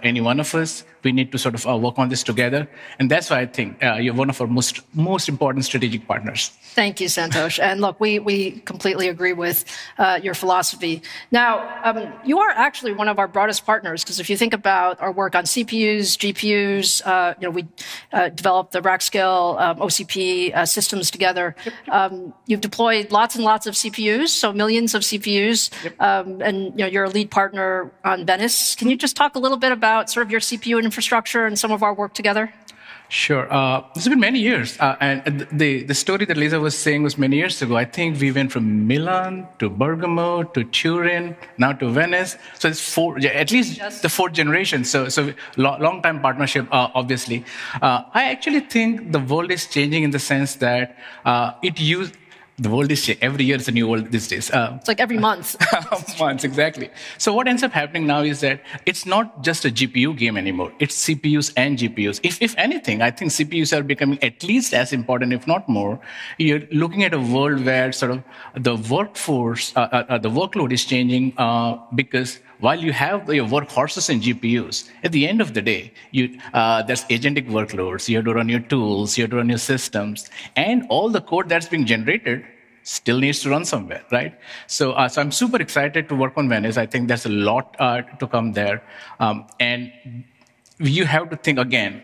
any one of us. We need to work on this together, and that's why I think you're one of our most important strategic partners. Thank you, Santosh. Look, we completely agree with your philosophy. You are actually one of our broadest partners because if you think about our work on CPUs, GPUs, we developed the Rack Scale OCP systems together. Yep. You've deployed lots and lots of CPUs, millions of CPUs. Yep. You're a lead partner on Venice. Can you just talk a little bit about your CPU and infrastructure and some of our work together? Sure. It's been many years. The story that Lisa was saying was many years ago. I think we went from Milan to Bergamo to Turin, now to Venice. It's at least- Just- The fourth generation, long time partnership, obviously. I actually think the world is changing in the sense that The world is changing. Every year is a new world these days. It's like every month. Months, exactly. What ends up happening now is that it's not just a GPU game anymore. It's CPUs and GPUs. If anything, I think CPUs are becoming at least as important, if not more. You're looking at a world where the workload is changing, because while you have your workhorses and GPUs, at the end of the day, there's agentic workloads. You have to run your tools, you have to run your systems, and all the code that's being generated still needs to run somewhere, right? I'm super excited to work on Venice. I think there's a lot to come there. You have to think again.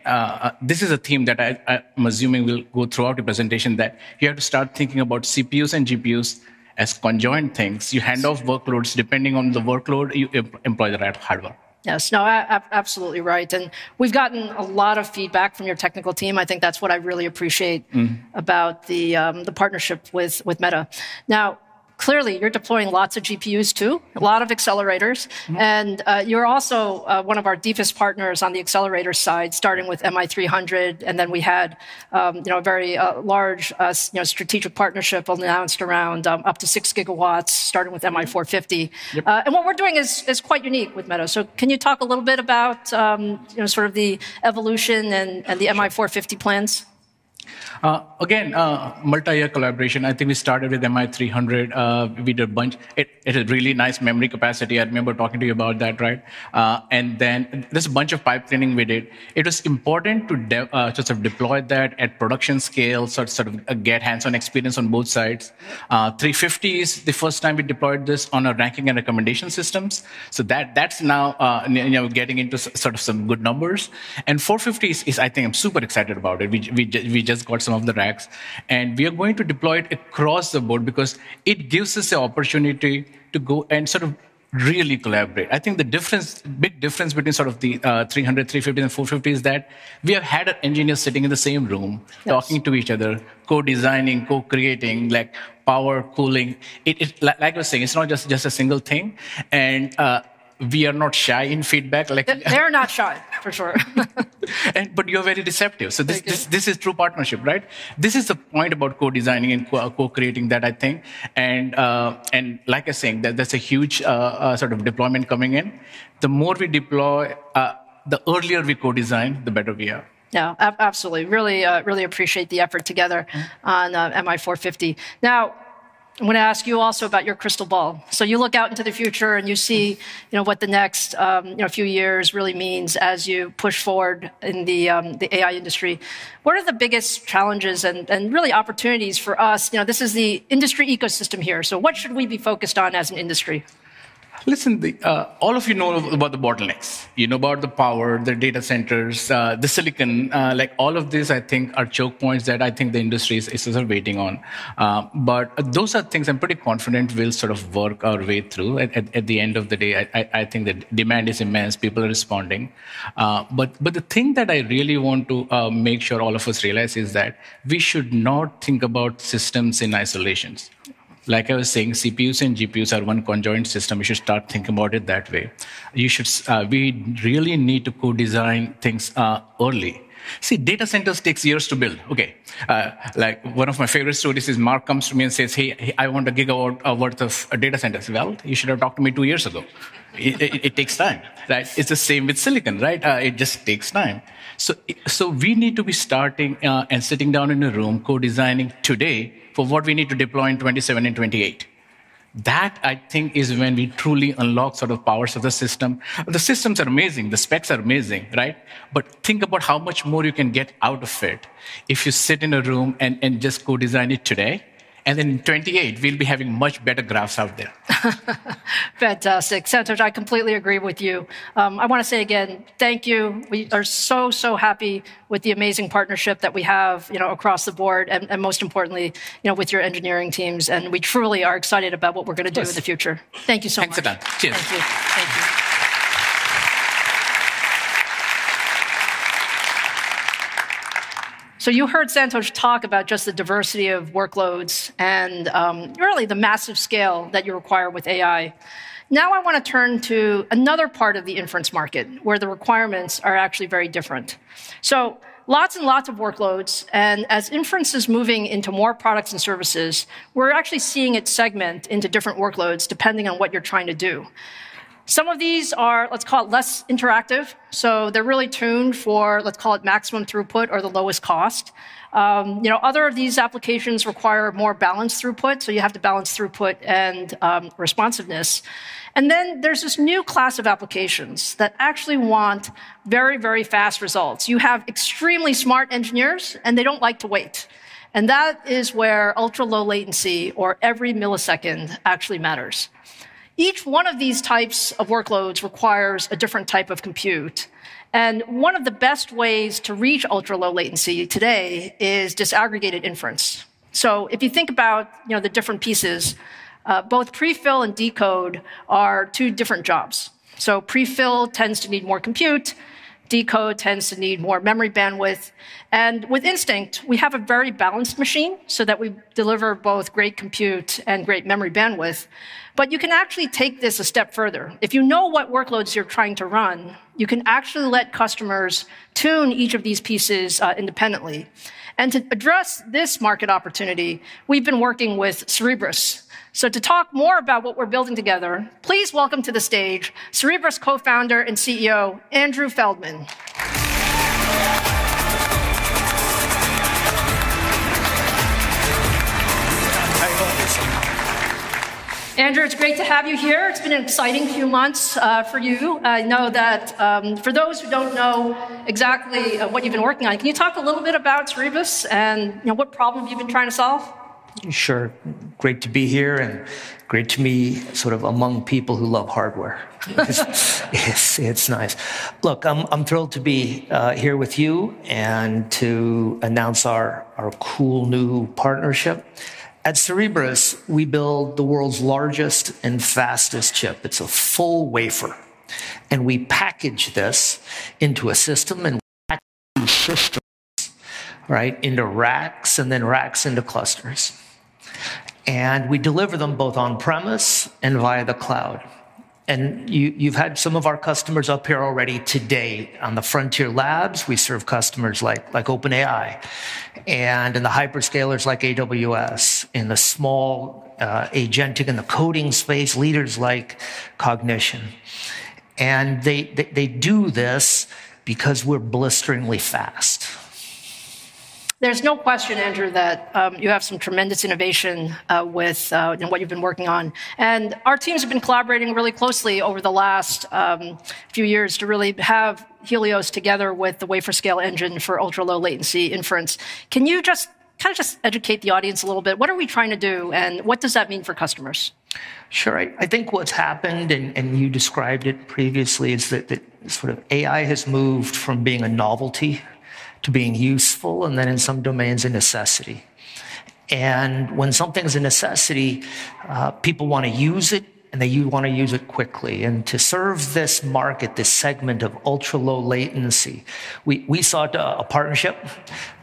This is a theme that I'm assuming will go throughout the presentation, that you have to start thinking about CPUs and GPUs as conjoined things. Yes. You hand off workloads. Depending on the workload, you employ the right hardware. Yes. No, absolutely right. We've gotten a lot of feedback from your technical team. I think that's what I really appreciate. About the partnership with Meta. Clearly, you're deploying lots of GPUs, too. A lot of accelerators. You're also one of our deepest partners on the accelerator side, starting with MI300, and then we had a very large strategic partnership announced around up to 6 GW, starting with MI450. Yep. What we're doing is quite unique with Meta. Can you talk a little bit about the evolution and the MI450 plans? Again, multi-year collaboration. I think we started with MI300. We did a bunch. It had really nice memory capacity. I remember talking to you about that. There's a bunch of pipe cleaning we did. It was important to deploy that at production scale, sort of get hands-on experience on both sides. 350 is the first time we deployed this on our ranking and recommendation systems. That's now getting into some good numbers. 450 is, I think I'm super excited about it. We just got some of the racks, and we are going to deploy it across the board because it gives us the opportunity to go and really collaborate. I think the big difference between the 300, 350, and 450 is that we have had an engineer sitting in the same room. Yes. Talking to each other, co-designing, co-creating, power, cooling. I was saying, it's not just a single thing, we are not shy in feedback. They're not shy, for sure. You're very receptive. Thank you. This is true partnership, right? This is the point about co-designing and co-creating that, I think. Like I was saying, that's a huge deployment coming in. The more we deploy, the earlier we co-design, the better we are. Yeah. Absolutely. Really appreciate the effort together on MI450. I'm going to ask you also about your crystal ball. You look out into the future, and you see what the next few years really means as you push forward in the AI industry. What are the biggest challenges and really opportunities for us? This is the industry ecosystem here. What should we be focused on as an industry? Listen, all of you know about the bottlenecks. You know about the power, the data centers, the silicon. All of these, I think, are choke points that I think the industry is waiting on. Those are things I'm pretty confident we'll work our way through. At the end of the day, I think the demand is immense. People are responding. The thing that I really want to make sure all of us realize is that we should not think about systems in isolations. Like I was saying, CPUs and GPUs are one conjoined system. We should start thinking about it that way. We really need to co-design things early. See, data centers takes years to build. Okay. One of my favorite stories is Mark comes to me and says, "Hey, I want a gigawatt worth of data centers." Well, you should have talked to me two years ago. It takes time, right? It's the same with silicon, right? It just takes time. We need to be starting and sitting down in a room co-designing today for what we need to deploy in 2027 and 2028. That, I think, is when we truly unlock powers of the system. The systems are amazing. The specs are amazing. Think about how much more you can get out of it if you sit in a room and just co-design it today, and then in 2028, we'll be having much better graphs out there. Fantastic. Santosh, I completely agree with you. I want to say again, thank you. We are so happy with the amazing partnership that we have across the board and most importantly, with your engineering teams, and we truly are excited about what we're going to do in the future. Of course. Thank you so much. Thanks, Lisa. Cheers. Thank you. You heard Santosh talk about just the diversity of workloads and really the massive scale that you require with AI. Now I want to turn to another part of the inference market where the requirements are actually very different. Lots and lots of workloads, and as inference is moving into more products and services, we're actually seeing it segment into different workloads depending on what you're trying to do. Some of these are, let's call it less interactive, so they're really tuned for, let's call it maximum throughput or the lowest cost. Other of these applications require more balanced throughput, so you have to balance throughput and responsiveness. There's this new class of applications that actually want very, very fast results. You have extremely smart engineers, and they don't like to wait, and that is where ultra-low latency or every millisecond actually matters. Each one of these types of workloads requires a different type of compute, and one of the best ways to reach ultra-low latency today is disaggregated inference. If you think about the different pieces, both prefill and decode are two different jobs. Prefill tends to need more compute, decode tends to need more memory bandwidth. With Instinct, we have a very balanced machine so that we deliver both great compute and great memory bandwidth. You can actually take this a step further. If you know what workloads you're trying to run, you can actually let customers tune each of these pieces independently. To address this market opportunity, we've been working with Cerebras. To talk more about what we're building together, please welcome to the stage Cerebras Co-founder and CEO, Andrew Feldman. Hi. Andrew, it's great to have you here. It's been an exciting few months for you. I know that for those who don't know exactly what you've been working on, can you talk a little bit about Cerebras and what problem you've been trying to solve? Sure. Great to be here and great to be among people who love hardware because it's nice. Look, I'm thrilled to be here with you and to announce our cool new partnership. At Cerebras, we build the world's largest and fastest chip. It's a full wafer, and we package this into a system and stack these systems into racks and then racks into clusters, and we deliver them both on-premise and via the cloud. You've had some of our customers up here already today. On the frontier labs, we serve customers like OpenAI and in the hyperscalers like AWS, in the small agentic and the coding space leaders like Cognition. They do this because we're blisteringly fast. There's no question, Andrew, that you have some tremendous innovation with what you've been working on. Our teams have been collaborating really closely over the last few years to really have Helios together with the Wafer Scale Engine for ultra-low latency inference. Can you just educate the audience a little bit? What are we trying to do, and what does that mean for customers? Sure. I think what's happened, you described it previously, is that AI has moved from being a novelty to being useful, and then in some domains, a necessity. When something's a necessity, people want to use it, and they want to use it quickly. To serve this market, this segment of ultra-low latency, we sought a partnership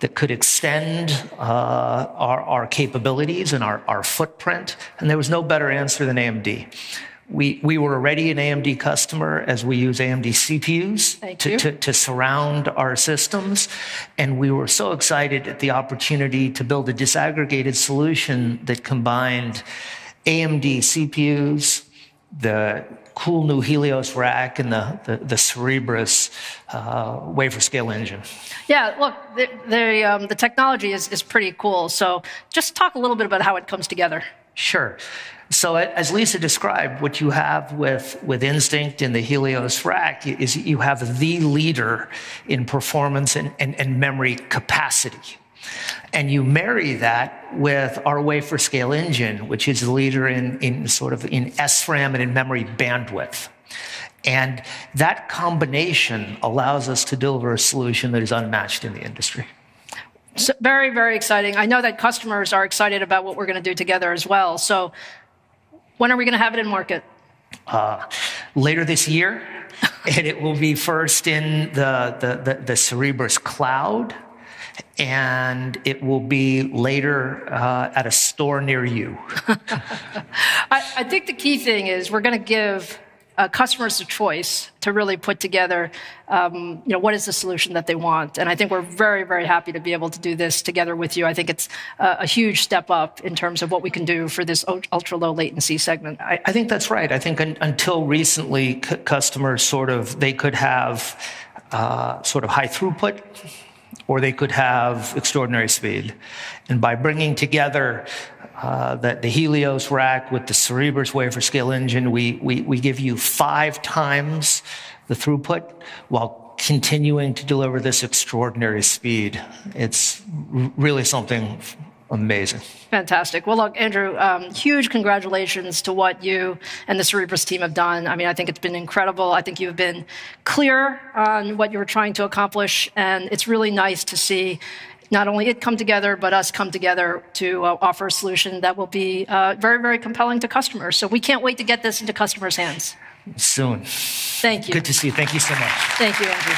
that could extend our capabilities and our footprint, and there was no better answer than AMD. We were already an AMD customer as we use AMD CPUs. Thank you. To surround our systems, we were so excited at the opportunity to build a disaggregated solution that combined AMD CPUs, the cool new Helios rack, and the Cerebras Wafer Scale Engine. Yeah. Well, the technology is pretty cool. Just talk a little bit about how it comes together. Sure. As Lisa described, what you have with Instinct and the Helios rack is you have the leader in performance and memory capacity. You marry that with our Wafer Scale Engine, which is the leader in SRAM and in-memory bandwidth. That combination allows us to deliver a solution that is unmatched in the industry. Very, very exciting. I know that customers are excited about what we're going to do together as well. When are we going to have it in market? Later this year. It will be first in the Cerebras cloud, and it will be later at a store near you. I think the key thing is we're going to give customers the choice to really put together what is the solution that they want. I think we're very, very happy to be able to do this together with you. I think it's a huge step up in terms of what we can do for this ultra-low latency segment. I think that's right. I think until recently, customers, they could have high throughput, or they could have extraordinary speed. By bringing together the Helios rack with the Cerebras Wafer Scale Engine, we give you five times the throughput while continuing to deliver this extraordinary speed. It's really something amazing. Fantastic. Well, look, Andrew, huge congratulations to what you and the Cerebras team have done. I think it's been incredible. I think you've been clear on what you were trying to accomplish, and it's really nice to see not only it come together, but us come together to offer a solution that will be very, very compelling to customers. We can't wait to get this into customers' hands. Soon. Thank you. Good to see you. Thank you so much. Thank you, Andrew.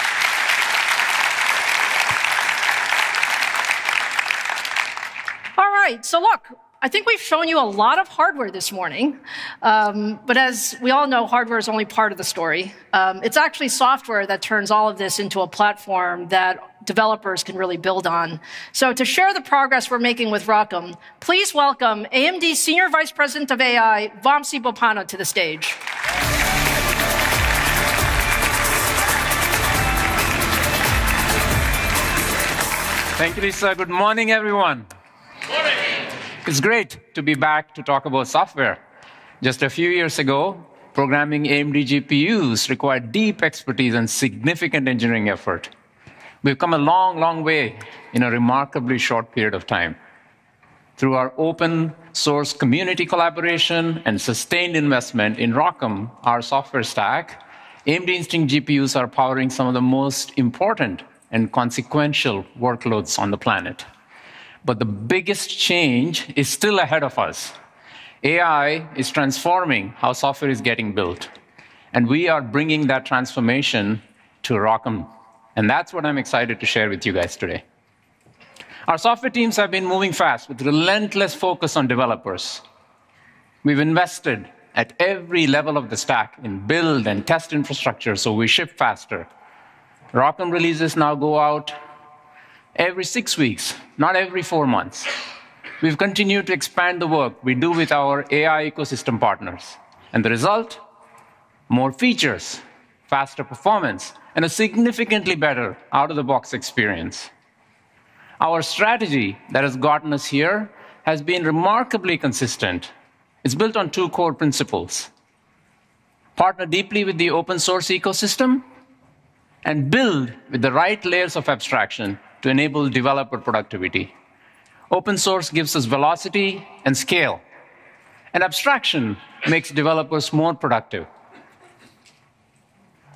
All right. Look, I think we've shown you a lot of hardware this morning. As we all know, hardware is only part of the story. It's actually software that turns all of this into a platform that developers can really build on. To share the progress we're making with ROCm, please welcome AMD Senior Vice President of AI, Vamsi Boppana, to the stage. Thank you, Lisa. Good morning, everyone. Good morning. It's great to be back to talk about software. Just a few years ago, programming AMD GPUs required deep expertise and significant engineering effort. We've come a long, long way in a remarkably short period of time. Through our open source community collaboration and sustained investment in ROCm, our software stack, AMD Instinct GPUs are powering some of the most important and consequential workloads on the planet. The biggest change is still ahead of us. AI is transforming how software is getting built, we are bringing that transformation to ROCm, and that's what I'm excited to share with you guys today. Our software teams have been moving fast, with relentless focus on developers. We've invested at every level of the stack in build and test infrastructure, so we ship faster. ROCm releases now go out every six weeks, not every four months. We've continued to expand the work we do with our AI ecosystem partners, the result, more features, faster performance, and a significantly better out-of-the-box experience. Our strategy that has gotten us here has been remarkably consistent. It's built on two core principles: partner deeply with the open source ecosystem, and build with the right layers of abstraction to enable developer productivity. Open source gives us velocity and scale, abstraction makes developers more productive.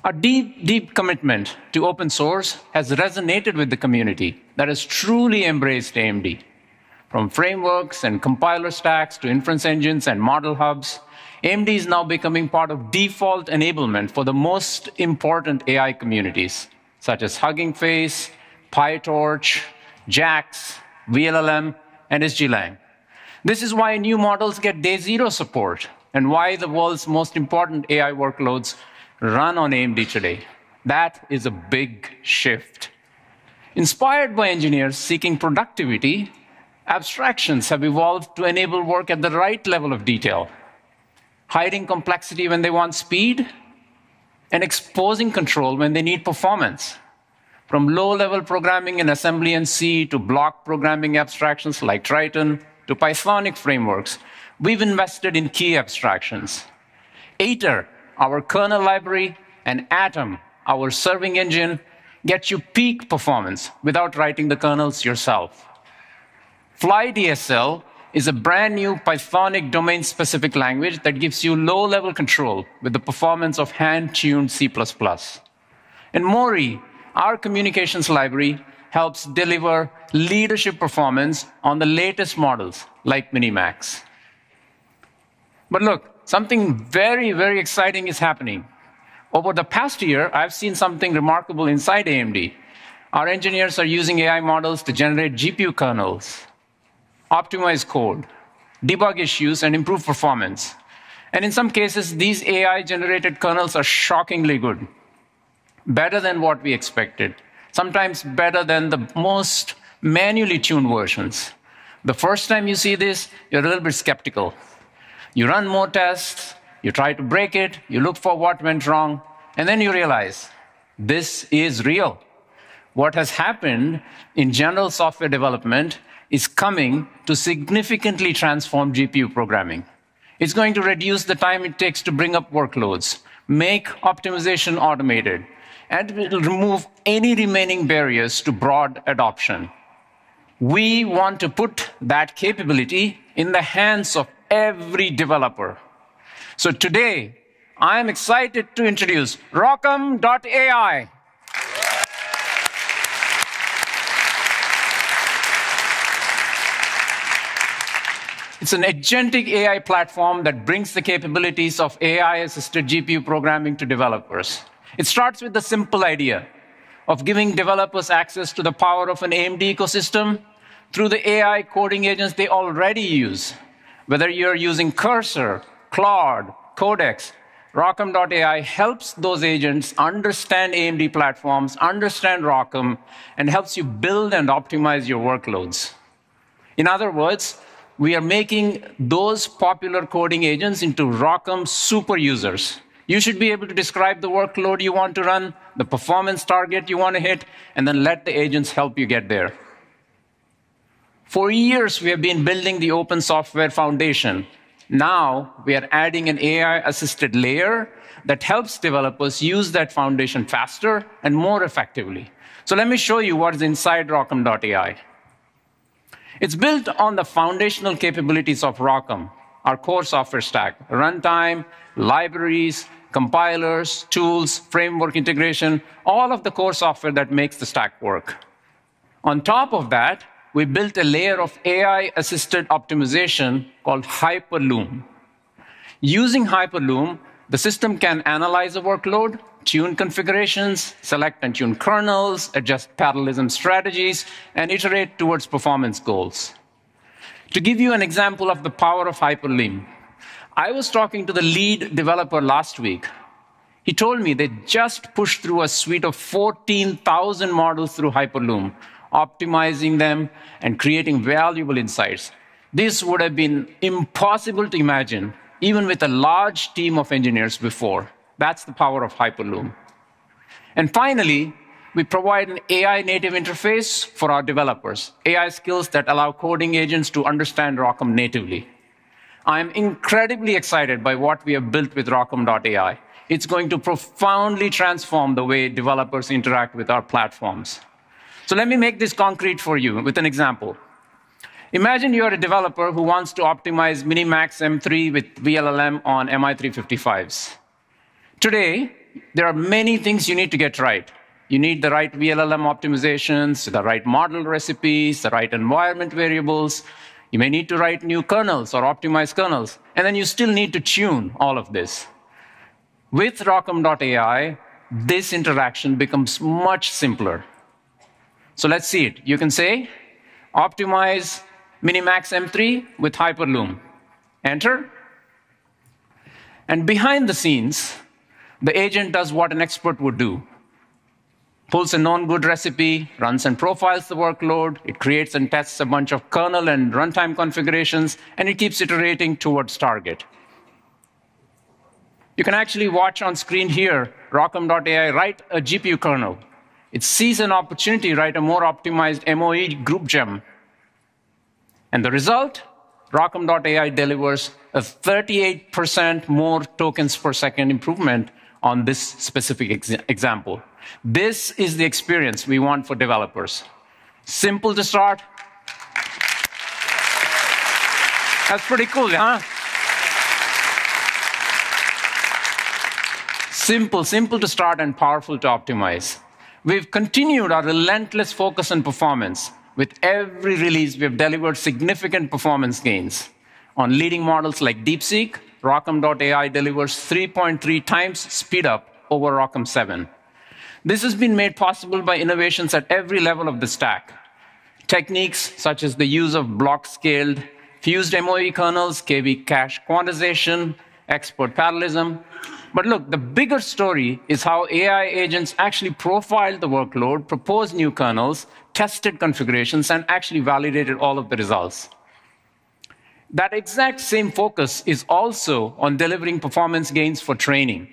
Our deep commitment to open source has resonated with the community that has truly embraced AMD. From frameworks and compiler stacks to inference engines and model hubs, AMD is now becoming part of default enablement for the most important AI communities, such as Hugging Face, PyTorch, JAX, vLLM, and SGLang. This is why new models get day zero support and why the world's most important AI workloads run on AMD today. That is a big shift Inspired by engineers seeking productivity, abstractions have evolved to enable work at the right level of detail, hiding complexity when they want speed, and exposing control when they need performance. From low-level programming in Assembly and C to block programming abstractions like Triton to Pythonic frameworks, we've invested in key abstractions. AITER, our kernel library, and ATOM, our serving engine, get you peak performance without writing the kernels yourself. FlyDSL is a brand-new Pythonic domain-specific language that gives you low-level control with the performance of hand-tuned C++. MORI, our communications library, helps deliver leadership performance on the latest models like MiniMax. Look, something very, very exciting is happening. Over the past year, I've seen something remarkable inside AMD. Our engineers are using AI models to generate GPU kernels, optimize code, debug issues, and improve performance. In some cases, these AI-generated kernels are shockingly good, better than what we expected, sometimes better than the most manually tuned versions. The first time you see this, you're a little bit skeptical. You run more tests, you try to break it, you look for what went wrong, and then you realize this is real. What has happened in general software development is coming to significantly transform GPU programming. It's going to reduce the time it takes to bring up workloads, make optimization automated, and it'll remove any remaining barriers to broad adoption. We want to put that capability in the hands of every developer. Today I am excited to introduce ROCm AI. It's an agentic AI platform that brings the capabilities of AI-assisted GPU programming to developers. It starts with the simple idea of giving developers access to the power of an AMD ecosystem through the AI coding agents they already use. Whether you're using Cursor, Claude, Codex, ROCm AI helps those agents understand AMD platforms, understand ROCm, and helps you build and optimize your workloads. In other words, we are making those popular coding agents into ROCm super users. You should be able to describe the workload you want to run, the performance target you want to hit, and then let the agents help you get there. For years, we have been building the open software foundation. Now we are adding an AI-assisted layer that helps developers use that foundation faster and more effectively. Let me show you what is inside ROCm AI. It's built on the foundational capabilities of ROCm, our core software stack, runtime, libraries, compilers, tools, framework integration, all of the core software that makes the stack work. On top of that, we built a layer of AI-assisted optimization called HyperLoom. Using HyperLoom, the system can analyze a workload, tune configurations, select and tune kernels, adjust parallelism strategies, and iterate towards performance goals. To give you an example of the power of HyperLoom, I was talking to the lead developer last week. He told me they just pushed through a suite of 14,000 models through HyperLoom, optimizing them and creating valuable insights. This would have been impossible to imagine, even with a large team of engineers before. That's the power of HyperLoom. Finally, we provide an AI-native interface for our developers, AI skills that allow coding agents to understand ROCm natively. I am incredibly excited by what we have built with ROCm AI. It's going to profoundly transform the way developers interact with our platforms. Let me make this concrete for you with an example. Imagine you are a developer who wants to optimize MiniMax M3 with vLLM on MI355s. Today, there are many things you need to get right. You need the right vLLM optimizations, the right model recipes, the right environment variables. You may need to write new kernels or optimize kernels, and then you still need to tune all of this. With ROCm AI, this interaction becomes much simpler. Let's see it. You can say, "Optimize MiniMax M3 with HyperLoom," enter, and behind the scenes, the agent does what an expert would do. Pulls a known good recipe, runs and profiles the workload, it creates and tests a bunch of kernel and runtime configurations, and it keeps iterating towards target. You can actually watch on screen here, ROCm AI write a GPU kernel. It sees an opportunity write a more optimized MOE GroupGEMM. The result, ROCm AI delivers a 38% more tokens per second improvement on this specific example. This is the experience we want for developers. Simple to start. That's pretty cool, huh? Simple. Simple to start and powerful to optimize. We've continued our relentless focus on performance. With every release, we have delivered significant performance gains on leading models like DeepSeek, ROCm AI delivers 3.3 times speedup over ROCm 7.0. This has been made possible by innovations at every level of the stack. Techniques such as the use of block-scaled fused MOE kernels, KV cache quantization, expert parallelism. Look, the bigger story is how AI agents actually profiled the workload, proposed new kernels, tested configurations, and actually validated all of the results. That exact same focus is also on delivering performance gains for training.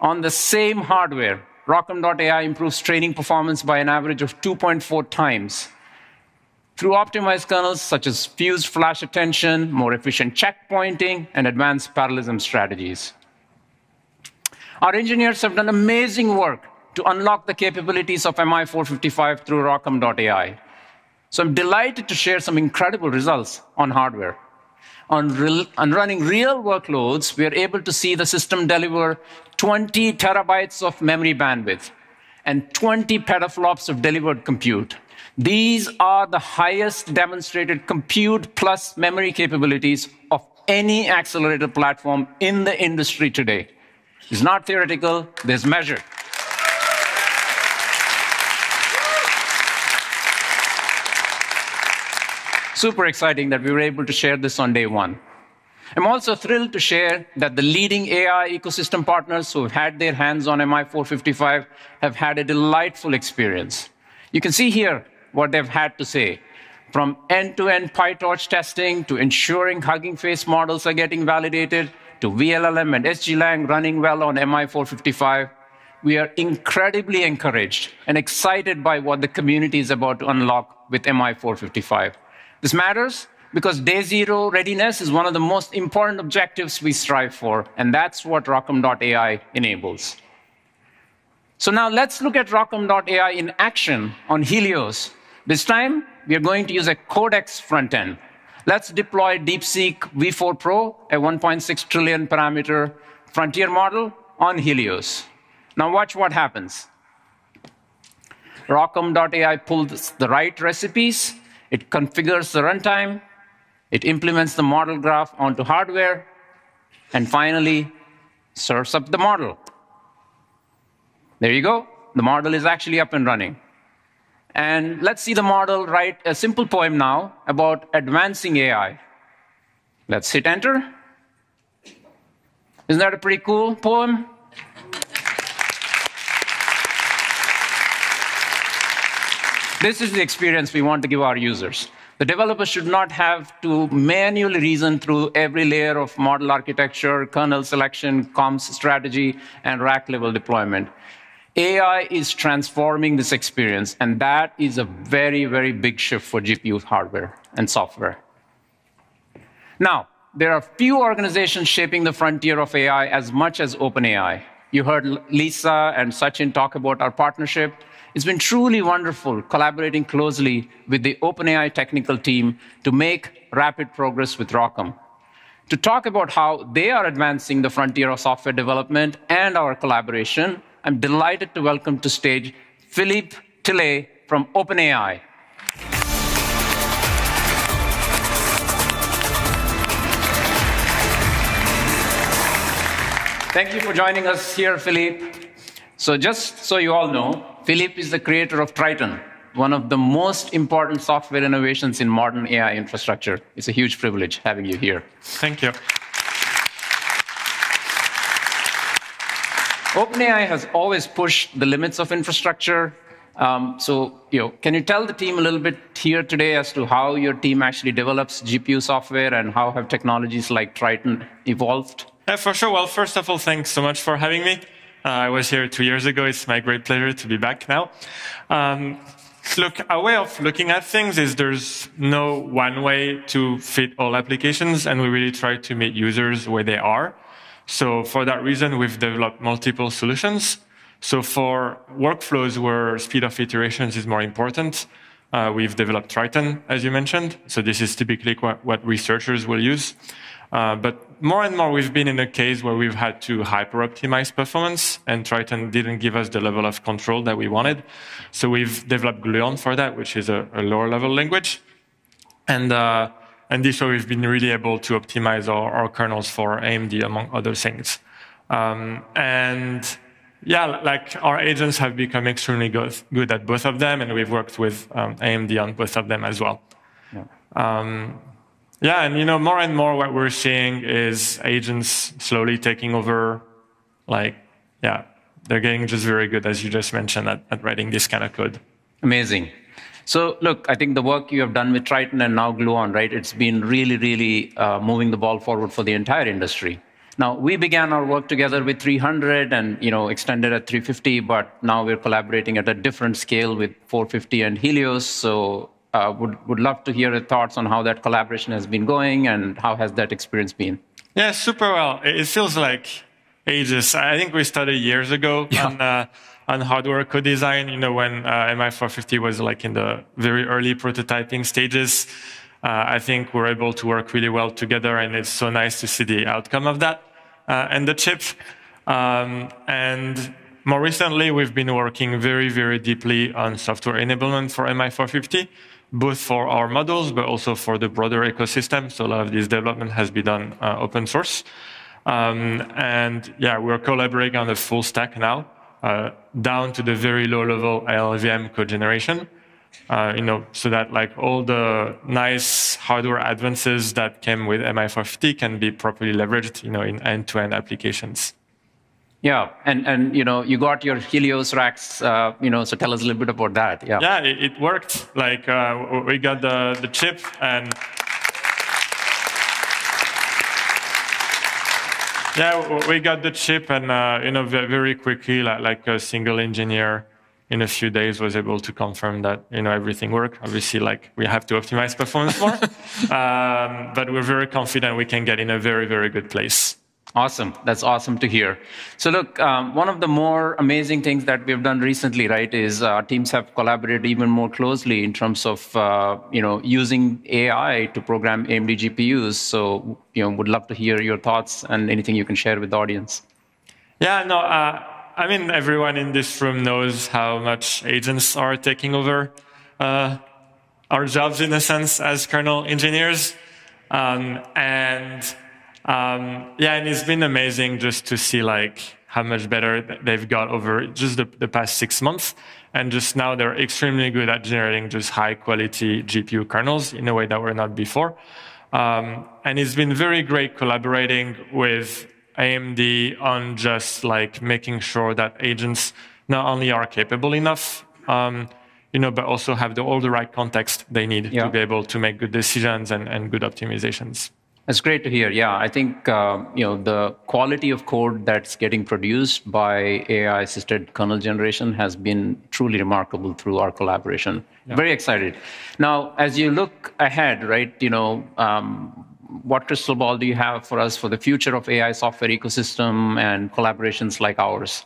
On the same hardware, ROCm AI improves training performance by an average of 2.4 times through optimized kernels such as fused flash attention, more efficient checkpointing, and advanced parallelism strategies. Our engineers have done amazing work to unlock the capabilities of MI455 through ROCm AI. I'm delighted to share some incredible results on hardware. On running real workloads, we are able to see the system deliver 20 TB of memory bandwidth and 20 petaFLOPS of delivered compute. These are the highest demonstrated compute plus memory capabilities of any accelerator platform in the industry today. It's not theoretical. There's measure. Super exciting that we were able to share this on day one. I'm also thrilled to share that the leading AI ecosystem partners who have had their hands on MI455 have had a delightful experience. You can see here what they've had to say, from end-to-end PyTorch testing, to ensuring Hugging Face models are getting validated, to vLLM and SGLang running well on MI455. We are incredibly encouraged and excited by what the community is about to unlock with MI455. This matters because day zero readiness is one of the most important objectives we strive for, and that's what ROCm AI enables. Now let's look at ROCm AI in action on Helios. This time, we are going to use a Codex front end. Let's deploy DeepSeek V4 Pro, a 1.6 trillion parameter frontier model on Helios. Now watch what happens. ROCm AI pulls the right recipes. It configures the runtime. It implements the model graph onto hardware, and finally serves up the model. There you go. The model is actually up and running. Let's see the model write a simple poem now about advancing AI. Let's hit enter. Isn't that a pretty cool poem? This is the experience we want to give our users. The developers should not have to manually reason through every layer of model architecture, kernel selection, comms strategy, and rack-level deployment. AI is transforming this experience, and that is a very, very big shift for GPU hardware and software. There are few organizations shaping the frontier of AI as much as OpenAI. You heard Lisa and Sachin talk about our partnership. It's been truly wonderful collaborating closely with the OpenAI technical team to make rapid progress with ROCm. To talk about how they are advancing the frontier of software development and our collaboration, I'm delighted to welcome to stage Philippe Tillet from OpenAI. Thank you for joining us here, Philippe. Just so you all know, Philippe is the creator of Triton, one of the most important software innovations in modern AI infrastructure. It's a huge privilege having you here. Thank you. OpenAI has always pushed the limits of infrastructure. Can you tell the team a little bit here today as to how your team actually develops GPU software and how have technologies like Triton evolved? For sure. First of all, thanks so much for having me. I was here two years ago. It's my great pleasure to be back now. Our way of looking at things is there's no one way to fit all applications, and we really try to meet users where they are. For that reason, we've developed multiple solutions. For workflows where speed of iterations is more important, we've developed Triton, as you mentioned. This is typically what researchers will use. More and more, we've been in a case where we've had to hyper-optimize performance, Triton didn't give us the level of control that we wanted, we've developed Gluon for that, which is a lower-level language. This year, we've been really able to optimize our kernels for AMD, among other things. Our agents have become extremely good at both of them, we've worked with AMD on both of them as well. Yeah. More and more what we're seeing is agents slowly taking over, they're getting just very good, as you just mentioned, at writing this kind of code. Amazing. I think the work you have done with Triton and now Gluon, right, it's been really, really moving the ball forward for the entire industry. We began our work together with 300 and extended at 350, we're collaborating at a different scale with 450 and Helios. Would love to hear your thoughts on how that collaboration has been going and how has that experience been? Yeah, super well. It feels like ages. I think we started years ago. Yeah. On hardware co-design, when MI450 was in the very early prototyping stages. I think we're able to work really well together, and it's so nice to see the outcome of that and the chip. More recently, we've been working very, very deeply on software enablement for MI450, both for our models, but also for the broader ecosystem. A lot of this development has been done open source. Yeah, we're collaborating on the full stack now, down to the very low level LLVM code generation, so that all the nice hardware advances that came with MI450 can be properly leveraged in end-to-end applications. Yeah. You got your Helios racks, tell us a little bit about that. Yeah. Yeah, it worked. We got the chip and very quickly, like a single engineer in a few days was able to confirm that everything worked. Obviously, we have to optimize performance more. We're very confident we can get in a very, very good place. Awesome. That's awesome to hear. Look, one of the more amazing things that we've done recently is our teams have collaborated even more closely in terms of using AI to program AMD GPUs. Would love to hear your thoughts and anything you can share with the audience. Yeah. No, everyone in this room knows how much agents are taking over our jobs, in a sense, as kernel engineers. It's been amazing just to see how much better they've got over just the past six months. Just now they're extremely good at generating just high quality GPU kernels in a way that we were not before. It's been very great collaborating with AMD on just making sure that agents not only are capable enough, but also have all the right context they need- Yeah. To be able to make good decisions and good optimizations. That's great to hear. Yeah, I think the quality of code that's getting produced by AI-assisted kernel generation has been truly remarkable through our collaboration. Yeah. Very excited. Now, as you look ahead, what crystal ball do you have for us for the future of AI software ecosystem and collaborations like ours?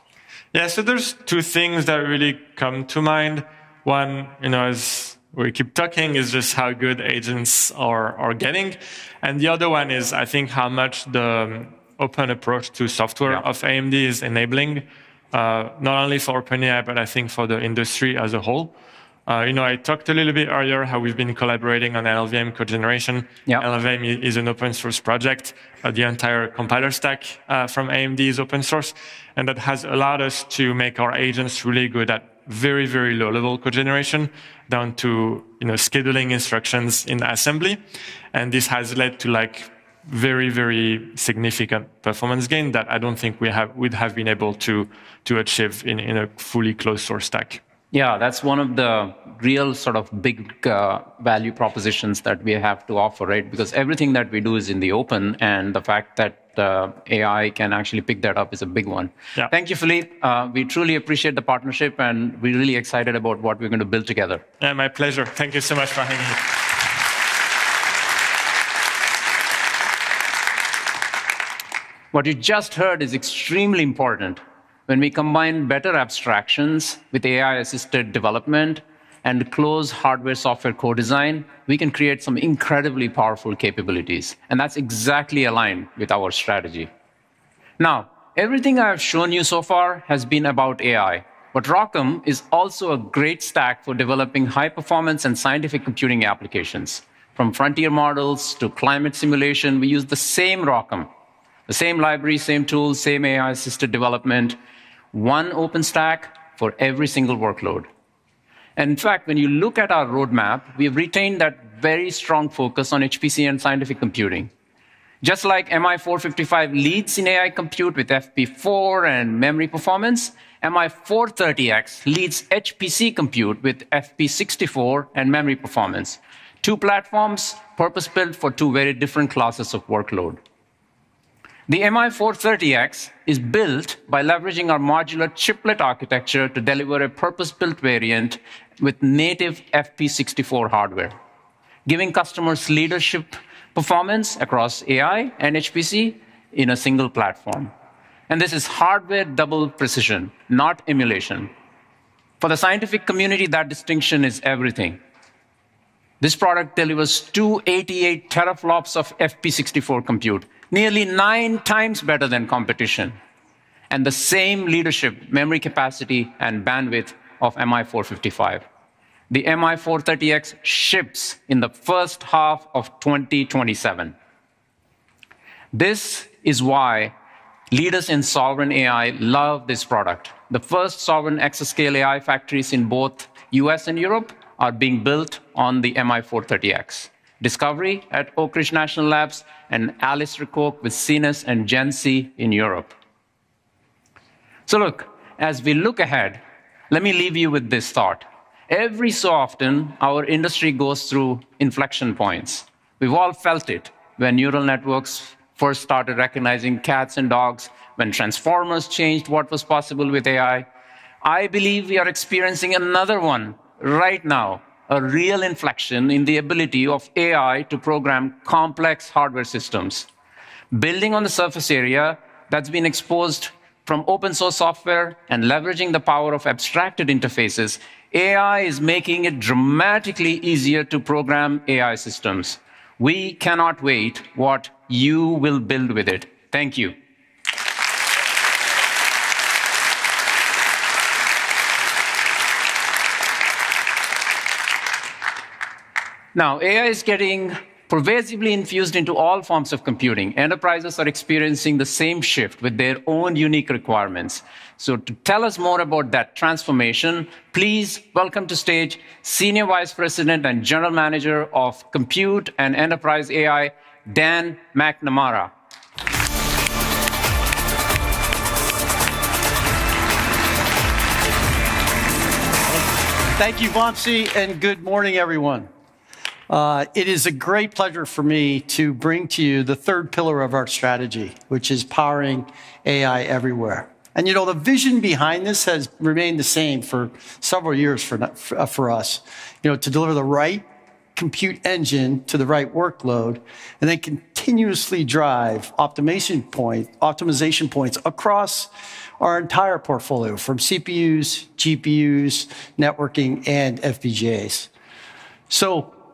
Yeah, there's two things that really come to mind. One, as we keep talking, is just how good agents are getting, and the other one is, I think, how much the open approach to software- Yeah Of AMD is enabling, not only for OpenAI, but I think for the industry as a whole. I talked a little bit earlier how we've been collaborating on LLVM code generation. Yeah. LLVM is an open source project. The entire compiler stack from AMD is open source, that has allowed us to make our agents really good at very, very low level code generation, down to scheduling instructions in assembly. This has led to very significant performance gain that I don't think we'd have been able to achieve in a fully closed source stack. Yeah, that's one of the real sort of big value propositions that we have to offer, right? Because everything that we do is in the open, and the fact that AI can actually pick that up is a big one. Yeah. Thank you, Philippe. We truly appreciate the partnership and we're really excited about what we're going to build together. Yeah, my pleasure. Thank you so much for having me. What you just heard is extremely important. When we combine better abstractions with AI-assisted development and close hardware-software core design, we can create some incredibly powerful capabilities, and that's exactly aligned with our strategy. Everything I've shown you so far has been about AI, but ROCm is also a great stack for developing high performance and scientific computing applications. From frontier models to climate simulation, we use the same ROCm, the same library, same tools, same AI-assisted development, one open stack for every single workload. In fact, when you look at our roadmap, we've retained that very strong focus on HPC and scientific computing. Just like MI455X leads in AI compute with FP4 and memory performance, MI430X leads HPC compute with FP64 and memory performance. Two platforms purpose-built for two very different classes of workload. The MI430X is built by leveraging our modular chiplet architecture to deliver a purpose-built variant with native FP64 hardware, giving customers leadership performance across AI and HPC in a single platform. This is hardware double precision, not emulation. For the scientific community, that distinction is everything. This product delivers 288 teraflops of FP64 compute, nearly nine times better than competition, and the same leadership, memory capacity and bandwidth of MI455X. The MI430X ships in the first half of 2027. This is why leaders in sovereign AI love this product. The first sovereign exascale AI factories in both U.S. and Europe are being built on the MI430X. Discovery at Oak Ridge National Laboratory and ALICE/RecurVE with CINES and GENCI in Europe. Look, as we look ahead, let me leave you with this thought. Every so often our industry goes through inflection points. We've all felt it. When neural networks first started recognizing cats and dogs, when transformers changed what was possible with AI. I believe we are experiencing another one right now, a real inflection in the ability of AI to program complex hardware systems. Building on the surface area that's been exposed from open source software and leveraging the power of abstracted interfaces, AI is making it dramatically easier to program AI systems. We cannot wait what you will build with it. Thank you. Now, AI is getting pervasively infused into all forms of computing. Enterprises are experiencing the same shift with their own unique requirements. To tell us more about that transformation, please welcome to stage Senior Vice President and General Manager of Compute and Enterprise AI, Dan McNamara. Thank you, Vamsi, and good morning, everyone. It is a great pleasure for me to bring to you the third pillar of our strategy, which is powering AI everywhere. The vision behind this has remained the same for several years for us, to deliver the right compute engine to the right workload, then continuously drive optimization points across our entire portfolio, from CPUs, GPUs, networking, and FPGAs.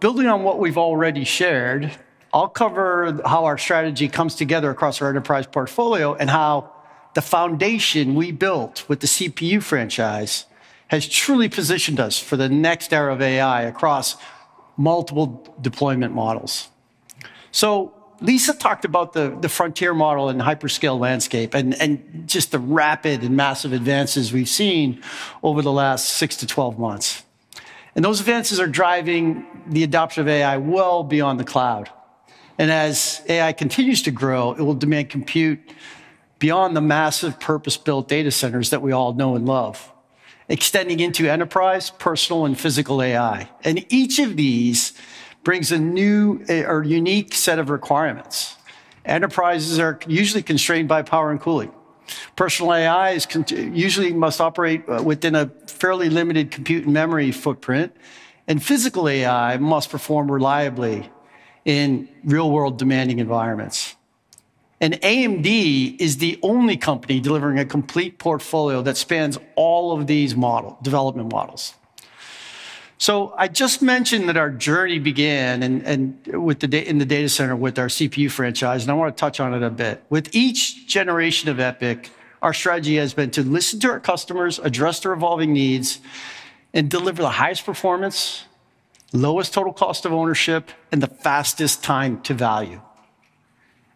Building on what we've already shared, I'll cover how our strategy comes together across our enterprise portfolio and how the foundation we built with the CPU franchise has truly positioned us for the next era of AI across multiple deployment models. Lisa talked about the frontier model and hyperscale landscape and just the rapid and massive advances we've seen over the last six to 12 months. Those advances are driving the adoption of AI well beyond the cloud. As AI continues to grow, it will demand compute beyond the massive purpose-built data centers that we all know and love, extending into enterprise, personal, and physical AI. Each of these brings a new or unique set of requirements. Enterprises are usually constrained by power and cooling. Personal AI usually must operate within a fairly limited compute and memory footprint, and physical AI must perform reliably in real-world demanding environments. AMD is the only company delivering a complete portfolio that spans all of these development models. I just mentioned that our journey began in the data center with our CPU franchise, and I want to touch on it a bit. With each generation of EPYC, our strategy has been to listen to our customers, address their evolving needs, and deliver the highest performance, lowest total cost of ownership, and the fastest time to value.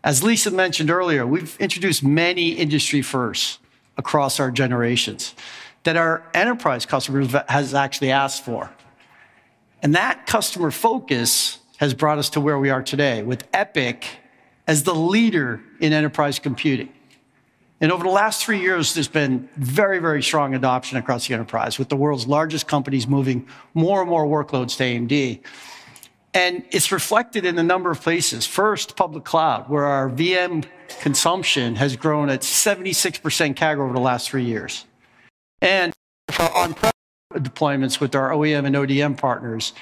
As Lisa mentioned earlier, we've introduced many industry firsts across our generations that our enterprise customers have actually asked for, that customer focus has brought us to where we are today with EPYC as the leader in enterprise computing. Over the last three years, there's been very strong adoption across the enterprise, with the world's largest companies moving more and more workloads to AMD. It's reflected in a number of places. First, public cloud, where our VM consumption has grown at 76% CAGR over the last three years. For on-prem deployments with our OEM and ODM partners,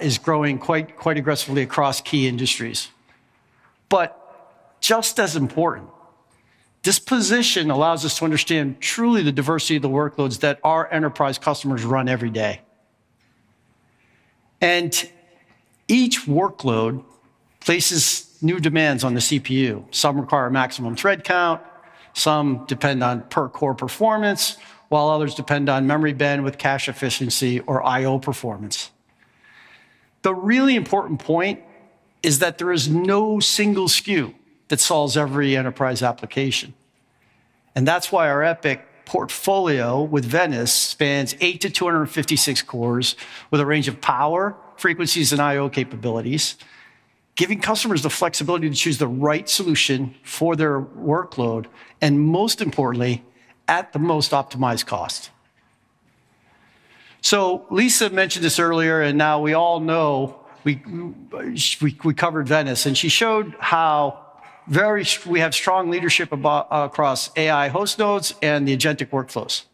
is growing quite aggressively across key industries. Just as important, this position allows us to understand truly the diversity of the workloads that our enterprise customers run every day. Each workload places new demands on the CPU. Some require maximum thread count, some depend on per-core performance, while others depend on memory bandwidth, cache efficiency, or I/O performance. The really important point is that there is no single SKU that solves every enterprise application, that's why our EPYC portfolio with Venice spans 8 crores to 256 cores with a range of power frequencies and I/O capabilities, giving customers the flexibility to choose the right solution for their workload, most importantly, at the most optimized cost. Lisa mentioned this earlier, now we all know we covered Venice, she showed how we have strong leadership across AI host nodes and the agentic workflows.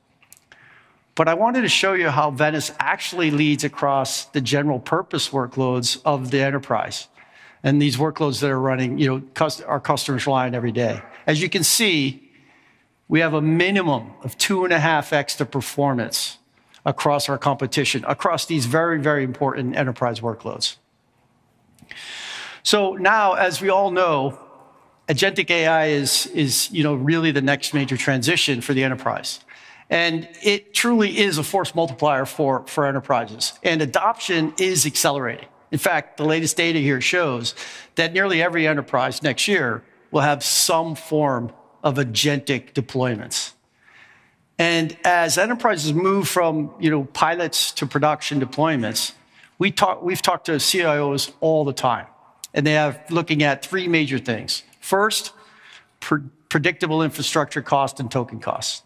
I wanted to show you how Venice actually leads across the general purpose workloads of the enterprise and these workloads that are running our customers rely on every day. As you can see, we have a minimum of two and a half extra performance across our competition, across these very important enterprise workloads. Now, as we all know, agentic AI is really the next major transition for the enterprise, it truly is a force multiplier for enterprises, adoption is accelerating. In fact, the latest data here shows that nearly every enterprise next year will have some form of agentic deployments. As enterprises move from pilots to production deployments, we've talked to CIOs all the time and they are looking at three major things. First, predictable infrastructure cost and token costs.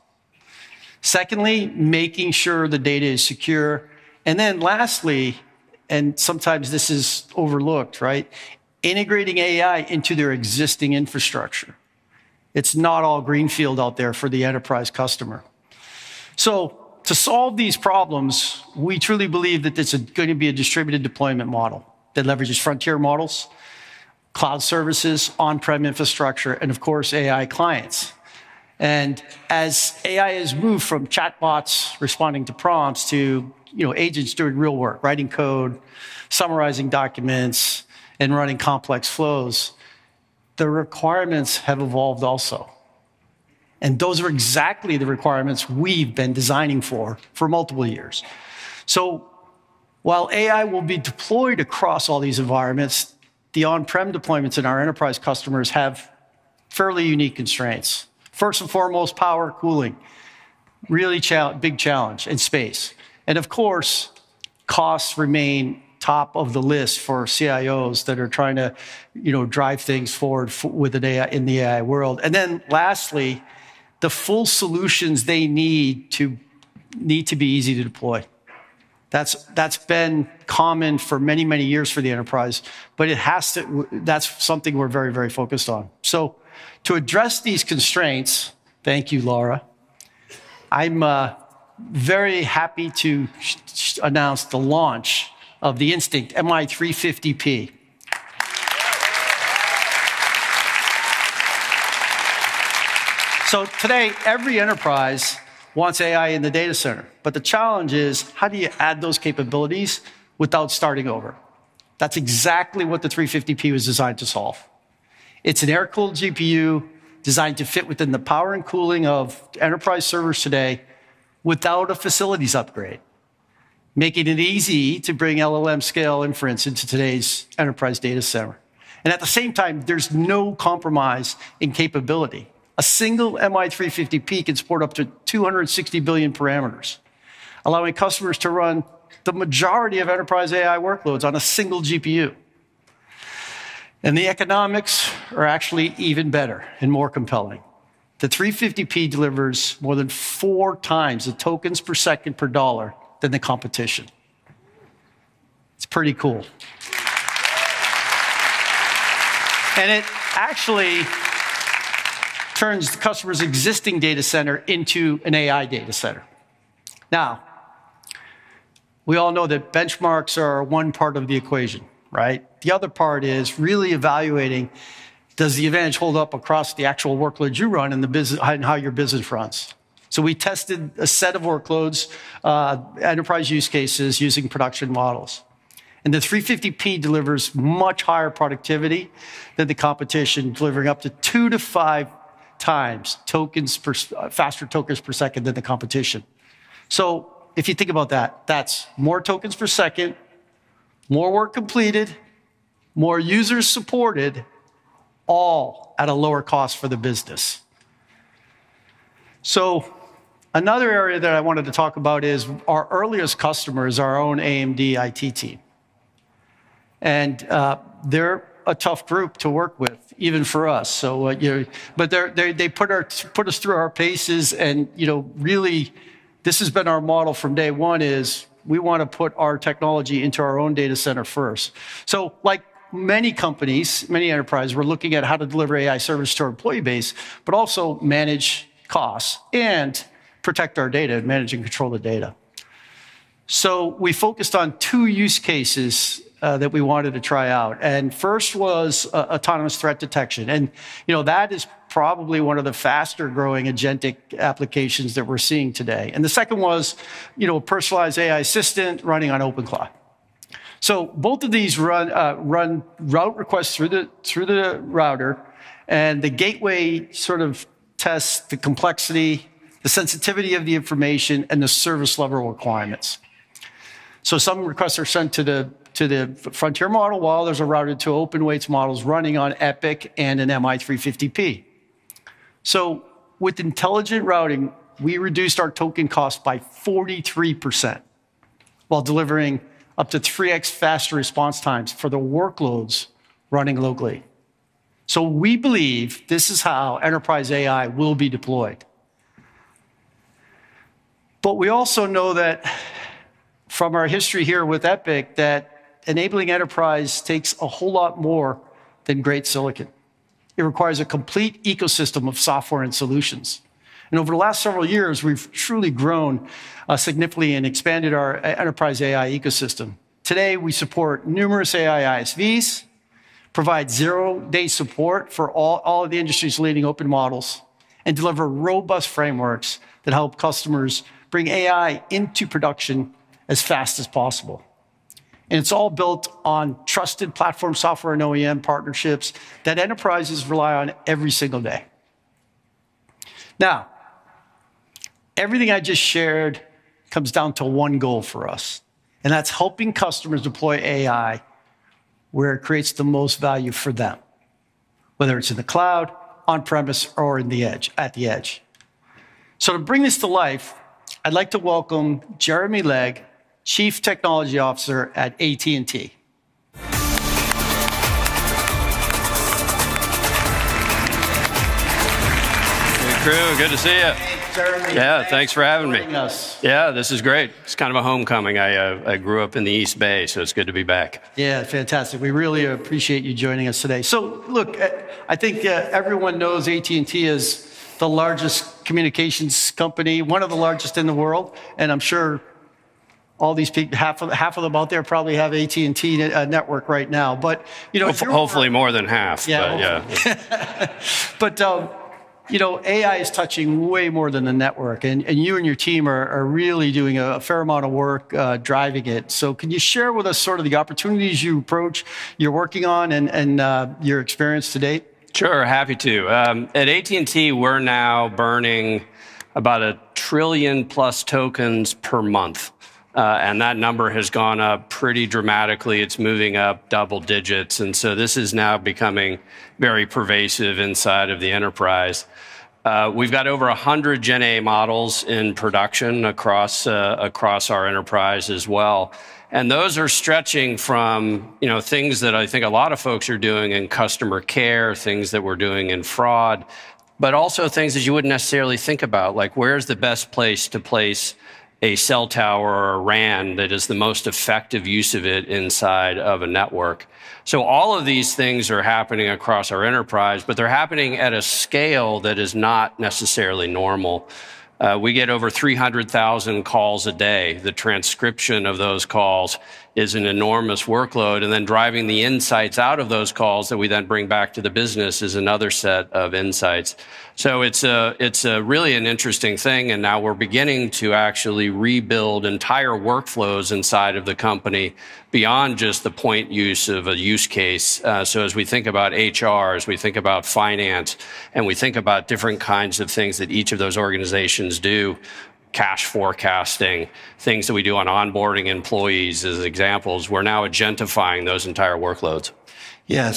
Secondly, making sure the data is secure. Lastly, sometimes this is overlooked, integrating AI into their existing infrastructure. It's not all greenfield out there for the enterprise customer. To solve these problems, we truly believe that it's going to be a distributed deployment model that leverages frontier models, cloud services, on-prem infrastructure, of course, AI clients. As AI has moved from chatbots responding to prompts to agents doing real work, writing code, summarizing documents, running complex flows, the requirements have evolved also. Those are exactly the requirements we've been designing for multiple years. While AI will be deployed across all these environments, the on-prem deployments in our enterprise customers have fairly unique constraints. First and foremost, power cooling, really big challenge, space. Of course, costs remain top of the list for CIOs that are trying to drive things forward in the AI world. Lastly, the full solutions they need to be easy to deploy. That's been common for many, many years for the enterprise, but that's something we're very focused on. To address these constraints, thank you, Laura, I'm very happy to announce the launch of the Instinct MI350P. Today, every enterprise wants AI in the data center. The challenge is, how do you add those capabilities without starting over? That's exactly what the MI350P was designed to solve. It's an air-cooled GPU designed to fit within the power and cooling of enterprise servers today without a facilities upgrade, making it easy to bring LLM-scale inference into today's enterprise data center. At the same time, there's no compromise in capability. A single MI350P can support up to 260 billion parameters, allowing customers to run the majority of enterprise AI workloads on a single GPU. The economics are actually even better and more compelling. The MI350P delivers more than four times the tokens per second per dollar than the competition. It's pretty cool. It actually turns the customer's existing data center into an AI data center. We all know that benchmarks are one part of the equation, right? The other part is really evaluating, does the advantage hold up across the actual workloads you run and how your business runs? We tested a set of workloads, enterprise use cases using production models. The MI350P delivers much higher productivity than the competition, delivering up to two to five times faster tokens per second than the competition. If you think about that's more tokens per second, more work completed, more users supported, all at a lower cost for the business. Another area that I wanted to talk about is our earliest customers are our own AMD IT team. They're a tough group to work with, even for us. They put us through our paces and really, this has been our model from day one is we want to put our technology into our own data center first. Like many companies, many enterprises, we're looking at how to deliver AI service to our employee base, but also manage costs and protect our data, manage and control the data. We focused on two use cases that we wanted to try out, and first was autonomous threat detection. That is probably one of the faster-growing agentic applications that we're seeing today. The second was a personalized AI assistant running on OpenClaw. Both of these route requests through the router and the gateway sort of tests the complexity, the sensitivity of the information, and the service level requirements. Some requests are sent to the frontier model while others are routed to open-weights models running on EPYC and an MI350P. With intelligent routing, we reduced our token cost by 43% while delivering up to 3x faster response times for the workloads running locally. We believe this is how enterprise AI will be deployed. We also know that from our history here with EPYC, that enabling enterprise takes a whole lot more than great silicon. It requires a complete ecosystem of software and solutions. Over the last several years, we've truly grown significantly and expanded our enterprise AI ecosystem. Today, we support numerous AI ISVs, provide zero-day support for all of the industry's leading open models, and deliver robust frameworks that help customers bring AI into production as fast as possible. It's all built on trusted platform software and OEM partnerships that enterprises rely on every single day. Everything I just shared comes down to one goal for us, and that's helping customers deploy AI where it creates the most value for them, whether it's in the cloud, on-premise, or at the edge. To bring this to life, I'd like to welcome Jeremy Legg, Chief Technology Officer at AT&T. Hey, crew, good to see you. Hey, Jeremy. Yeah, thanks for having me. Thanks for joining us. Yeah, this is great. It's kind of a homecoming. I grew up in the East Bay, so it's good to be back. Yeah, fantastic. We really appreciate you joining us today. Look, I think everyone knows AT&T is the largest communications company, one of the largest in the world, and I'm sure half of them out there probably have AT&T network right now, but if you're. Hopefully more than half, but yeah. AI is touching way more than the network, and you and your team are really doing a fair amount of work driving it. Can you share with us the opportunities you approach, you're working on, and your experience to date? Sure, happy to. At AT&T, we're now burning about a trillion-plus tokens per month. That number has gone up pretty dramatically. It's moving up double digits. This is now becoming very pervasive inside of the enterprise. We've got over 100 GenAI models in production across our enterprise as well. Those are stretching from things that I think a lot of folks are doing in customer care, things that we're doing in fraud, but also things that you wouldn't necessarily think about, like where's the best place to place a cell tower or a RAN that is the most effective use of it inside of a network. All of these things are happening across our enterprise, but they're happening at a scale that is not necessarily normal. We get over 300,000 calls a day. The transcription of those calls is an enormous workload, and then driving the insights out of those calls that we then bring back to the business is another set of insights. It's really an interesting thing, and now we're beginning to actually rebuild entire workflows inside of the company beyond just the point use of a use case. As we think about HR, as we think about finance, and we think about different kinds of things that each of those organizations do, cash forecasting, things that we do on onboarding employees as examples, we're now agentifying those entire workloads. Yeah.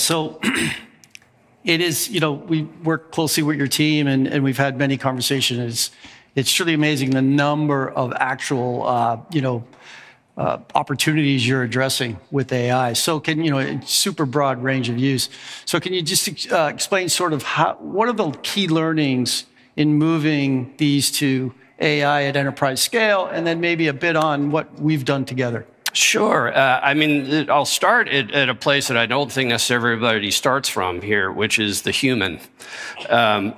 We work closely with your team, and we've had many conversations. It's truly amazing the number of actual opportunities you're addressing with AI. Super broad range of use. Can you just explain what are the key learnings in moving these to AI at enterprise scale, and then maybe a bit on what we've done together? Sure. I'll start at a place that I don't think everybody starts from here, which is the human.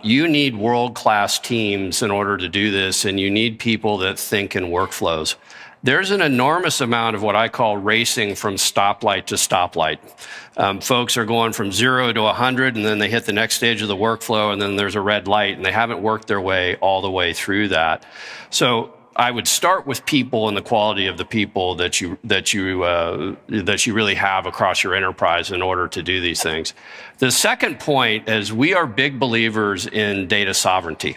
You need world-class teams in order to do this, and you need people that think in workflows. There's an enormous amount of what I call racing from stoplight to stoplight. Folks are going from zero to 100, and then they hit the next stage of the workflow, and then there's a red light, and they haven't worked their way all the way through that. I would start with people and the quality of the people that you really have across your enterprise in order to do these things. The second point is we are big believers in data sovereignty.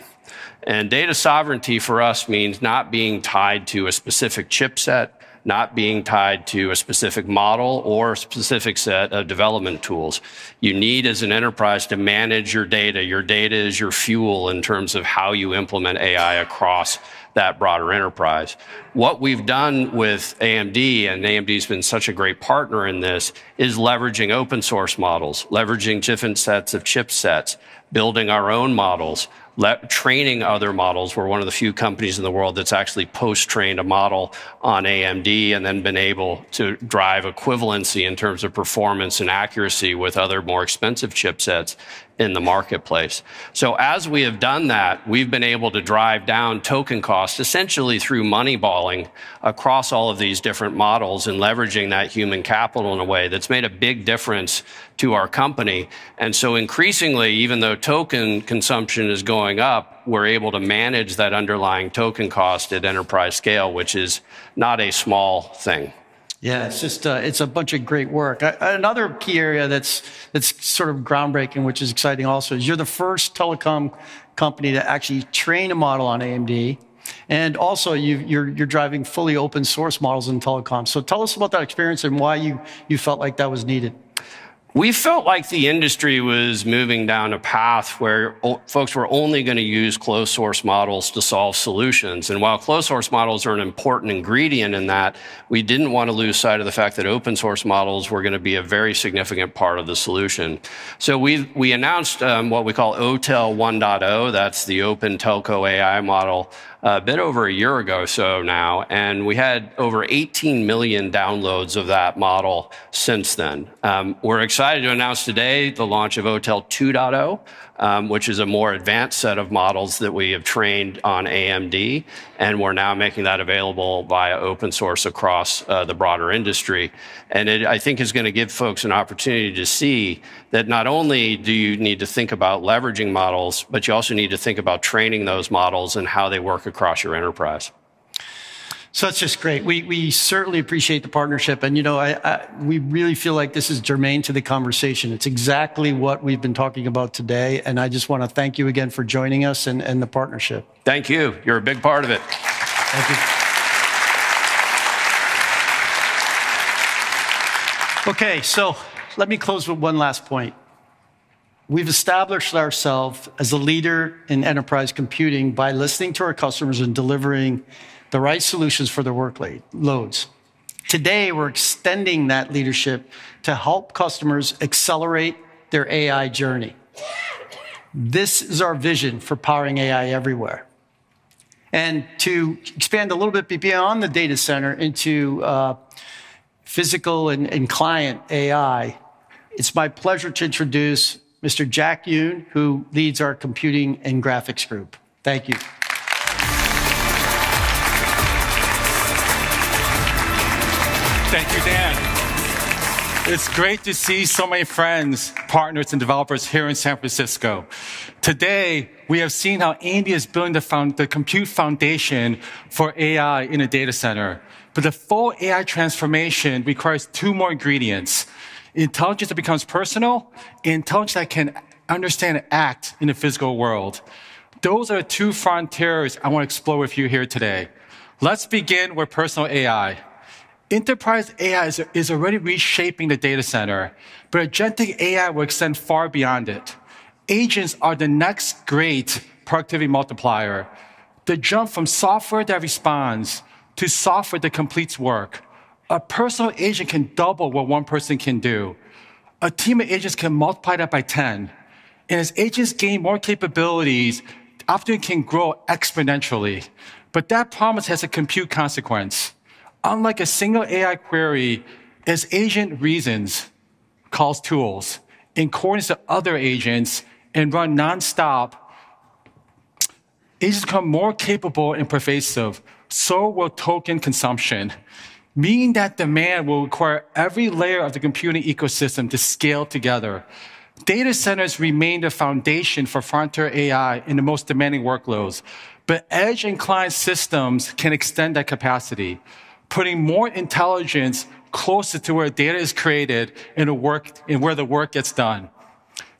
Data sovereignty for us means not being tied to a specific chipset, not being tied to a specific model or a specific set of development tools. You need, as an enterprise, to manage your data. Your data is your fuel in terms of how you implement AI across that broader enterprise. What we've done with AMD, and AMD's been such a great partner in this, is leveraging open source models, leveraging different sets of chipsets, building our own models, training other models. We're one of the few companies in the world that's actually post-trained a model on AMD and then been able to drive equivalency in terms of performance and accuracy with other, more expensive chipsets in the marketplace. As we have done that, we've been able to drive down token costs, essentially through money balling across all of these different models and leveraging that human capital in a way that's made a big difference to our company. Increasingly, even though token consumption is going up, we're able to manage that underlying token cost at enterprise scale, which is not a small thing. Yeah. It's a bunch of great work. Another key area that's groundbreaking, which is exciting also, is you're the first telecom company to actually train a model on AMD. Also, you're driving fully open source models in telecom. Tell us about that experience and why you felt like that was needed. We felt like the industry was moving down a path where folks were only going to use closed source models to solve solutions. While closed source models are an important ingredient in that, we didn't want to lose sight of the fact that open source models were going to be a very significant part of the solution. We announced, what we call OTel 1.0, that's the Open Telco AI model, a bit over a year ago now, and we had over 18 million downloads of that model since then. We're excited to announce today the launch of OTel 2.0, which is a more advanced set of models that we have trained on AMD, and we're now making that available via open source across the broader industry. It, I think, is going to give folks an opportunity to see that not only do you need to think about leveraging models, but you also need to think about training those models and how they work across your enterprise. That's just great. We certainly appreciate the partnership, and we really feel like this is germane to the conversation. It's exactly what we've been talking about today, and I just want to thank you again for joining us and the partnership. Thank you. You're a big part of it. Thank you. Okay, let me close with one last point. We've established ourselves as a leader in enterprise computing by listening to our customers and delivering the right solutions for their workloads. Today, we're extending that leadership to help customers accelerate their AI journey. This is our vision for powering AI everywhere. To expand a little bit beyond the data center into physical and client AI, it's my pleasure to introduce Mr. Jack Huynh, who leads our computing and graphics group. Thank you. Thank you, Dan. It's great to see so many friends, partners, and developers here in San Francisco. Today, we have seen how AMD is building the compute foundation for AI in a data center. The full AI transformation requires two more ingredients, intelligence that becomes personal and intelligence that can understand and act in the physical world. Those are two frontiers I want to explore with you here today. Let's begin with personal AI. Enterprise AI is already reshaping the data center, but agentic AI will extend far beyond it. Agents are the next great productivity multiplier. The jump from software that responds to software that completes work. A personal agent can double what one person can do. A team of agents can multiply that by 10. As agents gain more capabilities, often can grow exponentially. That promise has a compute consequence. Unlike a single AI query, as an agent reasons, calls tools, and coordinates the other agents, and runs nonstop, agents become more capable and pervasive, so will token consumption. That demand will require every layer of the computing ecosystem to scale together. Data centers remain the foundation for frontier AI in the most demanding workloads. Edge and client systems can extend that capacity, putting more intelligence closer to where data is created and where the work gets done.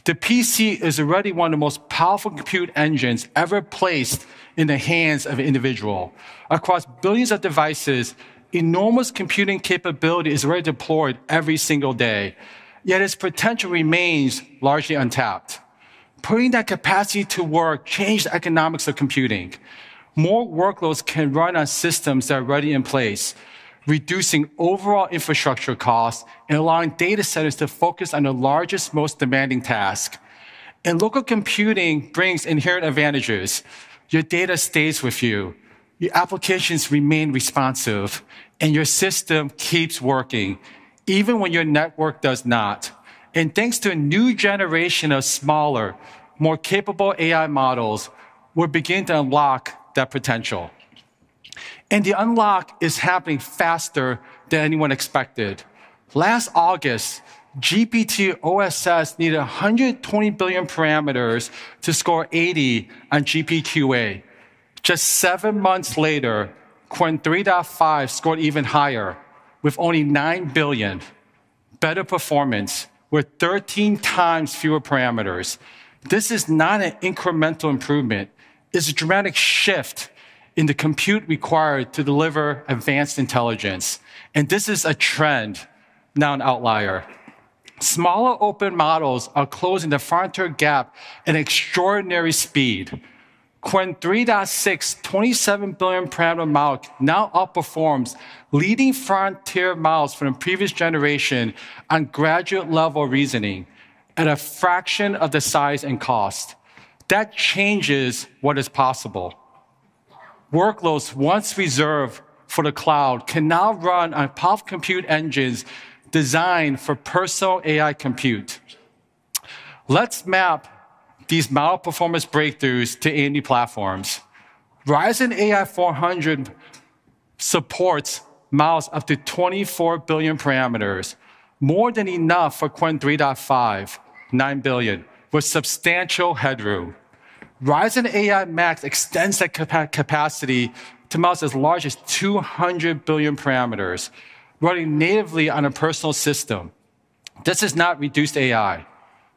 The PC is already one of the most powerful compute engines ever placed in the hands of individuals. Across billions of devices, enormous computing capability is already deployed every single day. Yet its potential remains largely untapped. Putting that capacity to work changes the economics of computing. More workloads can run on systems that are already in place, reducing overall infrastructure costs and allowing data centers to focus on the largest, most demanding task. Local computing brings inherent advantages. Your data stays with you, your applications remain responsive, and your system keeps working even when your network does not. Thanks to a new generation of smaller, more capable AI models, we're beginning to unlock that potential. The unlock is happening faster than anyone expected. Last August, GPT-OSS needed 120 billion parameters to score 80 on GPQA. Just seven months later, Qwen 3.5 scored even higher with only nine billion. Better performance with 13 times fewer parameters. This is not an incremental improvement. It's a dramatic shift in the compute required to deliver advanced intelligence. This is a trend, not an outlier. Smaller open models are closing the frontier gap at an extraordinary speed. Qwen 3.6 27 billion parameter model now outperforms leading frontier models from the previous generation on graduate-level reasoning at a fraction of the size and cost. That changes what is possible. Workloads once reserved for the cloud can now run on powerful compute engines designed for personal AI compute. Let's map these model performance breakthroughs to AMD platforms. Ryzen AI 400 supports models up to 24 billion parameters, more than enough for Qwen 3.5, nine billion, with substantial headroom. Ryzen AI Max extends that capacity to models as large as 200 billion parameters, running natively on a personal system. This is not reduced AI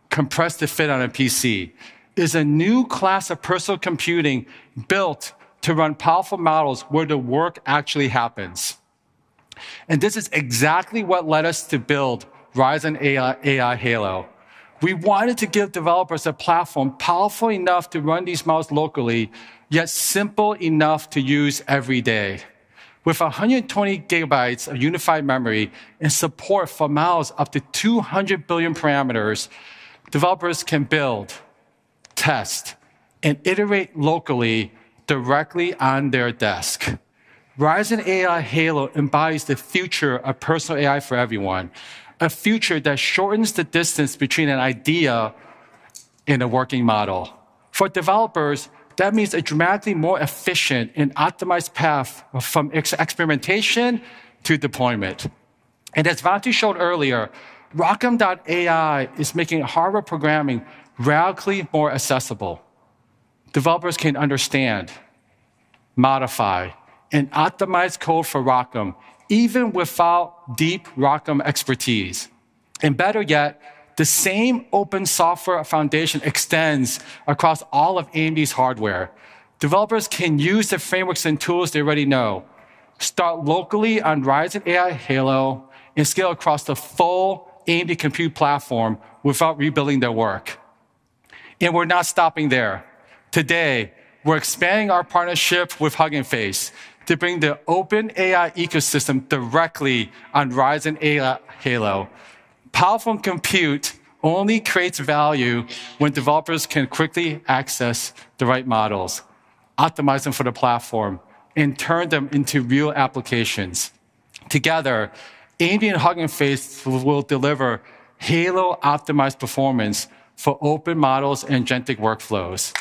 compressed to fit on a PC. It's a new class of personal computing built to run powerful models where the work actually happens. This is exactly what led us to build Ryzen AI Halo. We wanted to give developers a platform powerful enough to run these models locally, yet simple enough to use every day. With 120 GB of unified memory and support for models up to 200 billion parameters, developers can build, test, and iterate locally, directly on their desk. Ryzen AI Halo embodies the future of personal AI for everyone, a future that shortens the distance between an idea and a working model. For developers, that means a dramatically more efficient and optimized path from experimentation to deployment. As Vamsi showed earlier, ROCm AI is making hardware programming radically more accessible. Developers can understand, modify, and optimize code for ROCm, even without deep ROCm expertise. Better yet, the same open software foundation extends across all of AMD's hardware. Developers can use the frameworks and tools they already know, start locally on Ryzen AI Halo, and scale across the full AMD compute platform without rebuilding their work. We're not stopping there. Today, we're expanding our partnership with Hugging Face to bring the open AI ecosystem directly on Ryzen AI Halo. Powerful compute only creates value when developers can quickly access the right models, optimize them for the platform, and turn them into real applications. Together, AMD and Hugging Face will deliver Halo-optimized performance for open models and agentic workflows,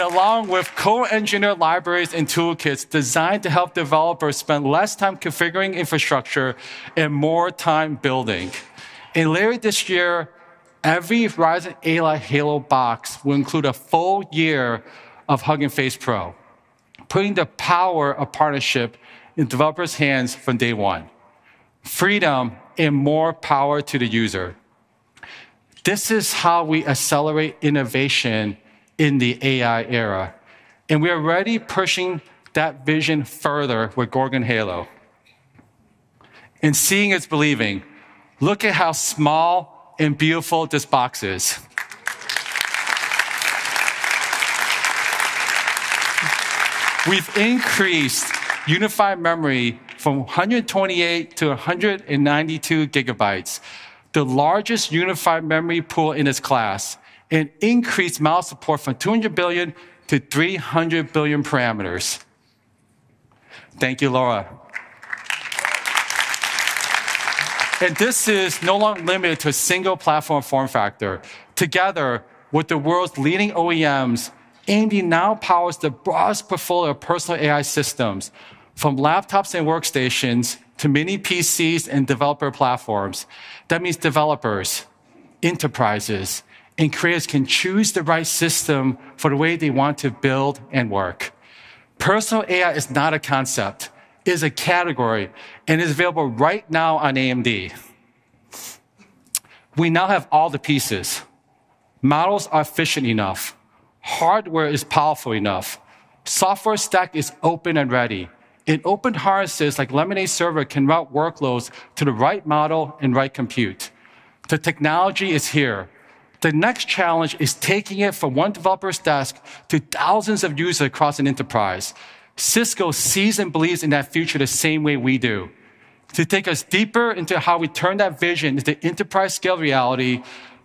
along with co-engineered libraries and toolkits designed to help developers spend less time configuring infrastructure and more time building. How cool is that. Later this year, every Ryzen AI Halo box will include a full year of Hugging Face Pro, putting the power of partnership in developers' hands from day one. Freedom and more power to the user. This is how we accelerate innovation in the AI era, and we are already pushing that vision further with Gorgon Halo. Seeing is believing. Look at how small and beautiful this box is. We've increased unified memory from 128 GB to 192 GB, the largest unified memory pool in its class, and increased model support from 200 billion to 300 billion parameters. Thank you, Laura. This is no longer limited to a single platform form factor. Together with the world's leading OEMs, AMD now powers the broadest portfolio of personal AI systems from laptops and workstations to mini PCs and developer platforms. That means developers, enterprises, and creators can choose the right system for the way they want to build and work. Personal AI is not a concept, it is a category, and is available right now on AMD. We now have all the pieces. Models are efficient enough. Hardware is powerful enough. Software stack is open and ready, and open harnesses like Lemonade Server can route workloads to the right model and right compute. The technology is here. The next challenge is taking it from one developer's desk to thousands of users across an enterprise. Cisco sees and believes in that future the same way we do. To take us deeper into how we turn that vision into enterprise-scale reality,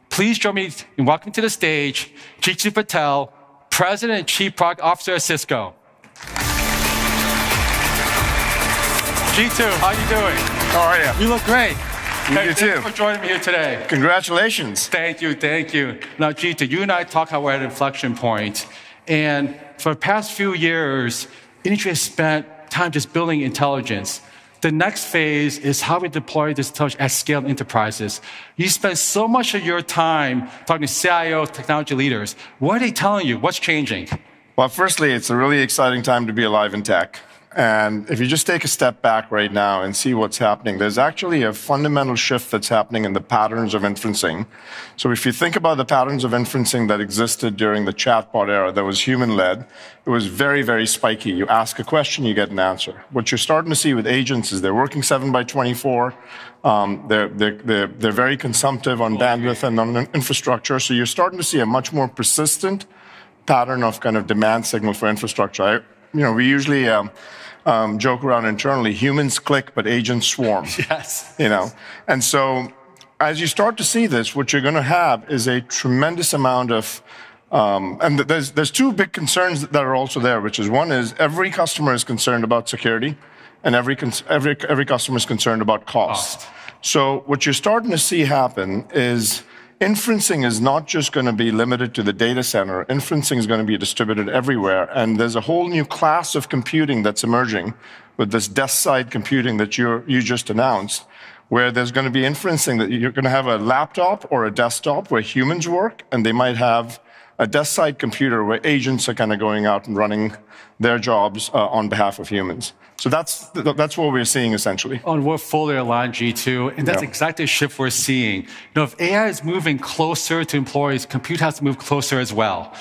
please join me in welcoming to the stage, Jeetu Patel, President and Chief Product Officer at Cisco. Jeetu, how you doing? How are you? You look great. You do too. Thank you for joining me here today. Congratulations. Thank you. Jeetu, you and I talk how we're at an inflection point. For the past few years, industry has spent time just building intelligence. The next phase is how we deploy this intelligence at scale in enterprises. You spend so much of your time talking to CIOs, technology leaders. What are they telling you? What's changing? Well, firstly, it's a really exciting time to be alive in tech. If you just take a step back right now and see what's happening, there's actually a fundamental shift that's happening in the patterns of inferencing. If you think about the patterns of inferencing that existed during the chatbot era that was human-led, it was very spiky. You ask a question, you get an answer. What you're starting to see with agents is they're working seven by 24. They're very consumptive on bandwidth and on infrastructure. You're starting to see a much more persistent pattern of demand signal for infrastructure. We usually joke around internally, humans click, but agents swarm. Yes. As you start to see this, what you're going to have is. There's two big concerns that are also there, which is one is every customer is concerned about security and every customer is concerned about cost. Cost. What you're starting to see happen is inferencing is not just going to be limited to the data center. Inferencing is going to be distributed everywhere, and there's a whole new class of computing that's emerging with this desk-side computing that you just announced, where there's going to be inferencing that you're going to have a laptop or a desktop where humans work, and they might have a desk-side computer where agents are going out and running their jobs on behalf of humans. That's what we're seeing, essentially. We're fully aligned, Jeetu. Yeah. That's exactly the shift we're seeing. Now, if AI is moving closer to employees, compute has to move closer as well.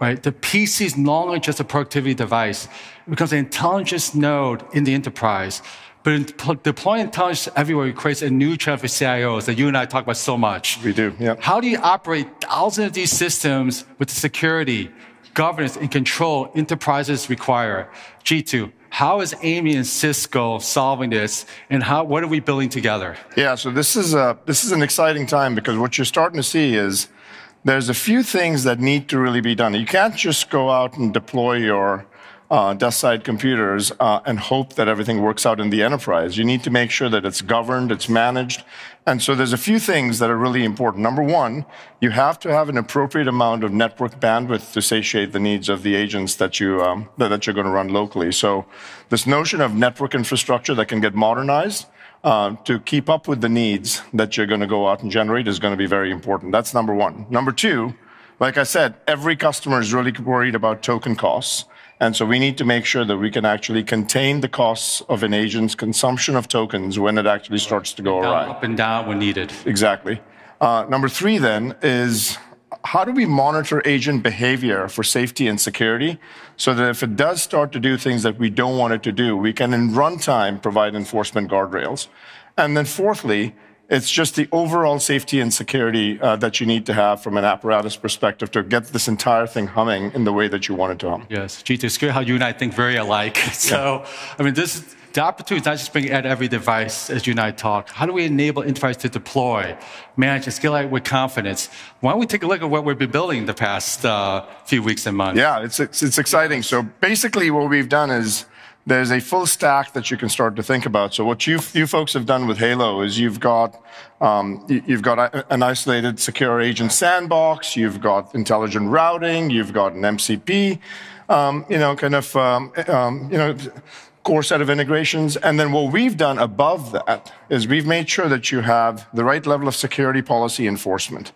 Right? The PC is no longer just a productivity device. It becomes an intelligence node in the enterprise. Deploying intelligence everywhere creates a new challenge for CIOs that you and I talk about so much. We do, yeah. How do you operate thousands of these systems with the security, governance, and control enterprises require? Jeetu, how is AMD and Cisco solving this, and what are we building together? Yeah. This is an exciting time because what you're starting to see is there's a few things that need to really be done. You can't just go out and deploy your desk-side computers and hope that everything works out in the enterprise. You need to make sure that it's governed, it's managed. There's a few things that are really important. Number one, you have to have an appropriate amount of network bandwidth to satiate the needs of the agents that you're going to run locally. This notion of network infrastructure that can get modernized to keep up with the needs that you're going to go out and generate is going to be very important. That's number one. Number two, like I said, every customer is really worried about token costs, we need to make sure that we can actually contain the costs of an agent's consumption of tokens when it actually starts to go awry. Go up and down when needed. Exactly. Number three is how do we monitor agent behavior for safety and security, so that if it does start to do things that we don't want it to do, we can in runtime provide enforcement guardrails. Fourthly, it's just the overall safety and security that you need to have from an apparatus perspective to get this entire thing humming in the way that you want it to hum. Yes. Jeetu, it's clear how you and I think very alike. Yeah. The opportunity is not just bringing AI to every device, as you and I talk. How do we enable enterprises to deploy, manage, and scale AI with confidence? Why don't we take a look at what we've been building the past few weeks and months? Yeah, it's exciting. Basically what we've done is there's a full stack that you can start to think about. What you folks have done with Halo is you've got an isolated secure agent sandbox. You've got intelligent routing. You've got an MCP, core set of integrations. What we've done above that is we've made sure that you have the right level of security policy enforcement.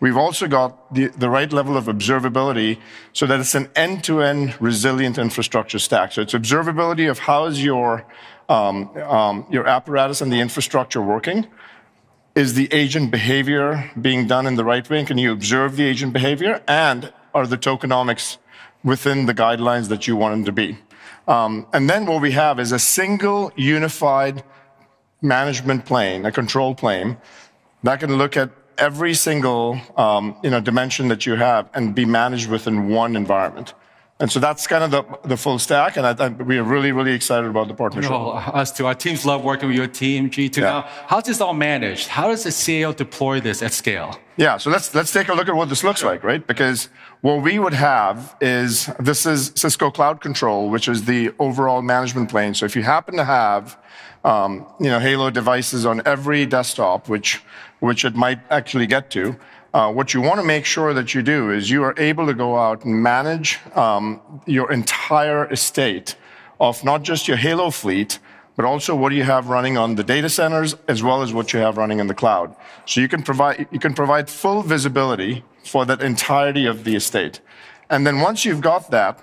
We've also got the right level of observability so that it's an end-to-end resilient infrastructure stack. It's observability of how is your apparatus and the infrastructure working. Is the agent behavior being done in the right way? Can you observe the agent behavior? Are the tokenomics within the guidelines that you want them to be? what we have is a single unified management plane, a control plane, that can look at every single dimension that you have and be managed within one environment. That's kind of the full stack, and we are really, really excited about the partnership. No, us too. Our teams love working with your team, Jeetu. Yeah. How's this all managed? How does a CEO deploy this at scale? let's take a look at what this looks like. What we would have is, this is Cisco Cloud Control, which is the overall management plane. If you happen to have Halo devices on every desktop, which it might actually get to, what you want to make sure that you do is you are able to go out and manage your entire estate of not just your Halo fleet, but also what you have running on the data centers, as well as what you have running in the cloud. You can provide full visibility for the entirety of the estate. Once you've got that,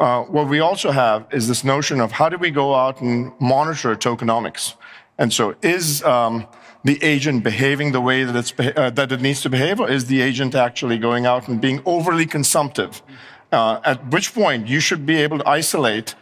what we also have is this notion of how do we go out and monitor tokenomics. Is the agent behaving the way that it needs to behave? Or is the agent actually going out and being overly consumptive? At which point you should be able to isolate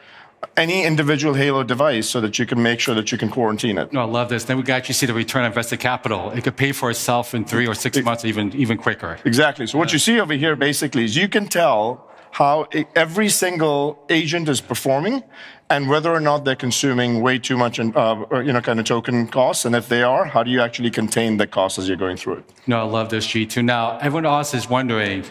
any individual Halo device so that you can make sure that you can quarantine it. No, I love this. We can actually see the return on invested capital. It could pay for itself in three or six months, even quicker. Exactly. Yeah. What you see over here basically is you can tell how every single agent is performing and whether or not they're consuming way too much in token costs, and if they are, how do you actually contain the cost as you're going through it? No, I love this, Jeetu. Now everyone to us is wondering,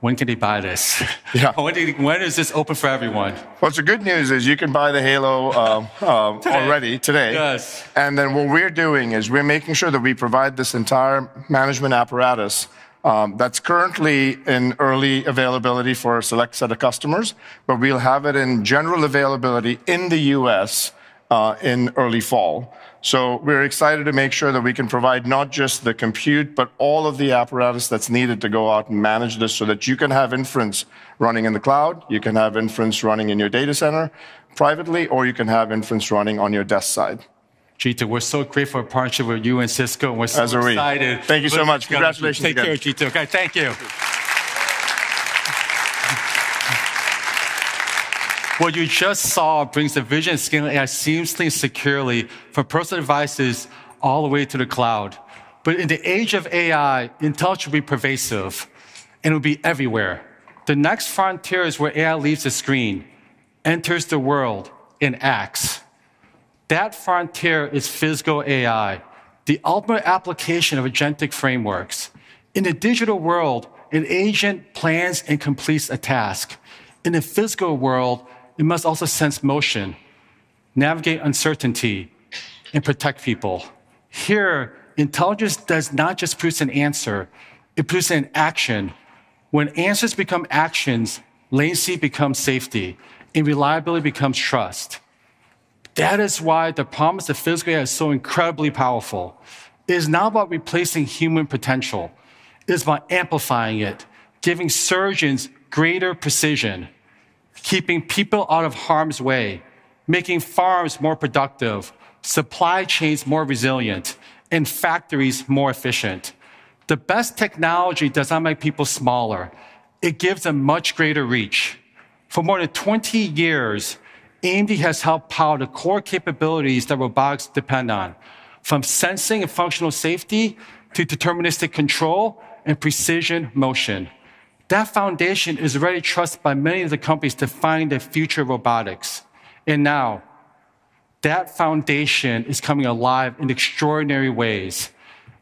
when can they buy this? Yeah. When is this open for everyone? Well, the good news is you can buy the Halo- Today already today. Yes. What we're doing is we're making sure that we provide this entire management apparatus that's currently in early availability for a select set of customers, but we'll have it in general availability in the U.S. in early fall. We're excited to make sure that we can provide not just the compute, but all of the apparatus that's needed to go out and manage this so that you can have inference running in the cloud, you can have inference running in your data center privately, or you can have inference running on your desk side. Jeetu, we're so grateful for our partnership with you and Cisco, we're so excited. As are we. Thank you so much. Congratulations again To put this together. Take care, Jeetu. Okay, thank you. What you just saw brings the vision of scaling AI seamlessly and securely for personal devices all the way to the cloud. In the age of AI, intelligence should be pervasive, it will be everywhere. The next frontier is where AI leaves the screen, enters the world, and acts. That frontier is physical AI, the ultimate application of agentic frameworks. In a digital world, an agent plans and completes a task. In a physical world, it must also sense motion, navigate uncertainty, and protect people. Here, intelligence does not just produce an answer, it produces an action. When answers become actions, latency becomes safety, and reliability becomes trust. That is why the promise of physical AI is so incredibly powerful. It is not about replacing human potential, it is about amplifying it. Giving surgeons greater precision, keeping people out of harm's way, making farms more productive, supply chains more resilient, factories more efficient. The best technology does not make people smaller. It gives a much greater reach. For more than 20 years, AMD has helped power the core capabilities that robotics depend on, from sensing and functional safety to deterministic control and precision motion. That foundation is already trusted by many of the companies defining the future of robotics, now that foundation is coming alive in extraordinary ways.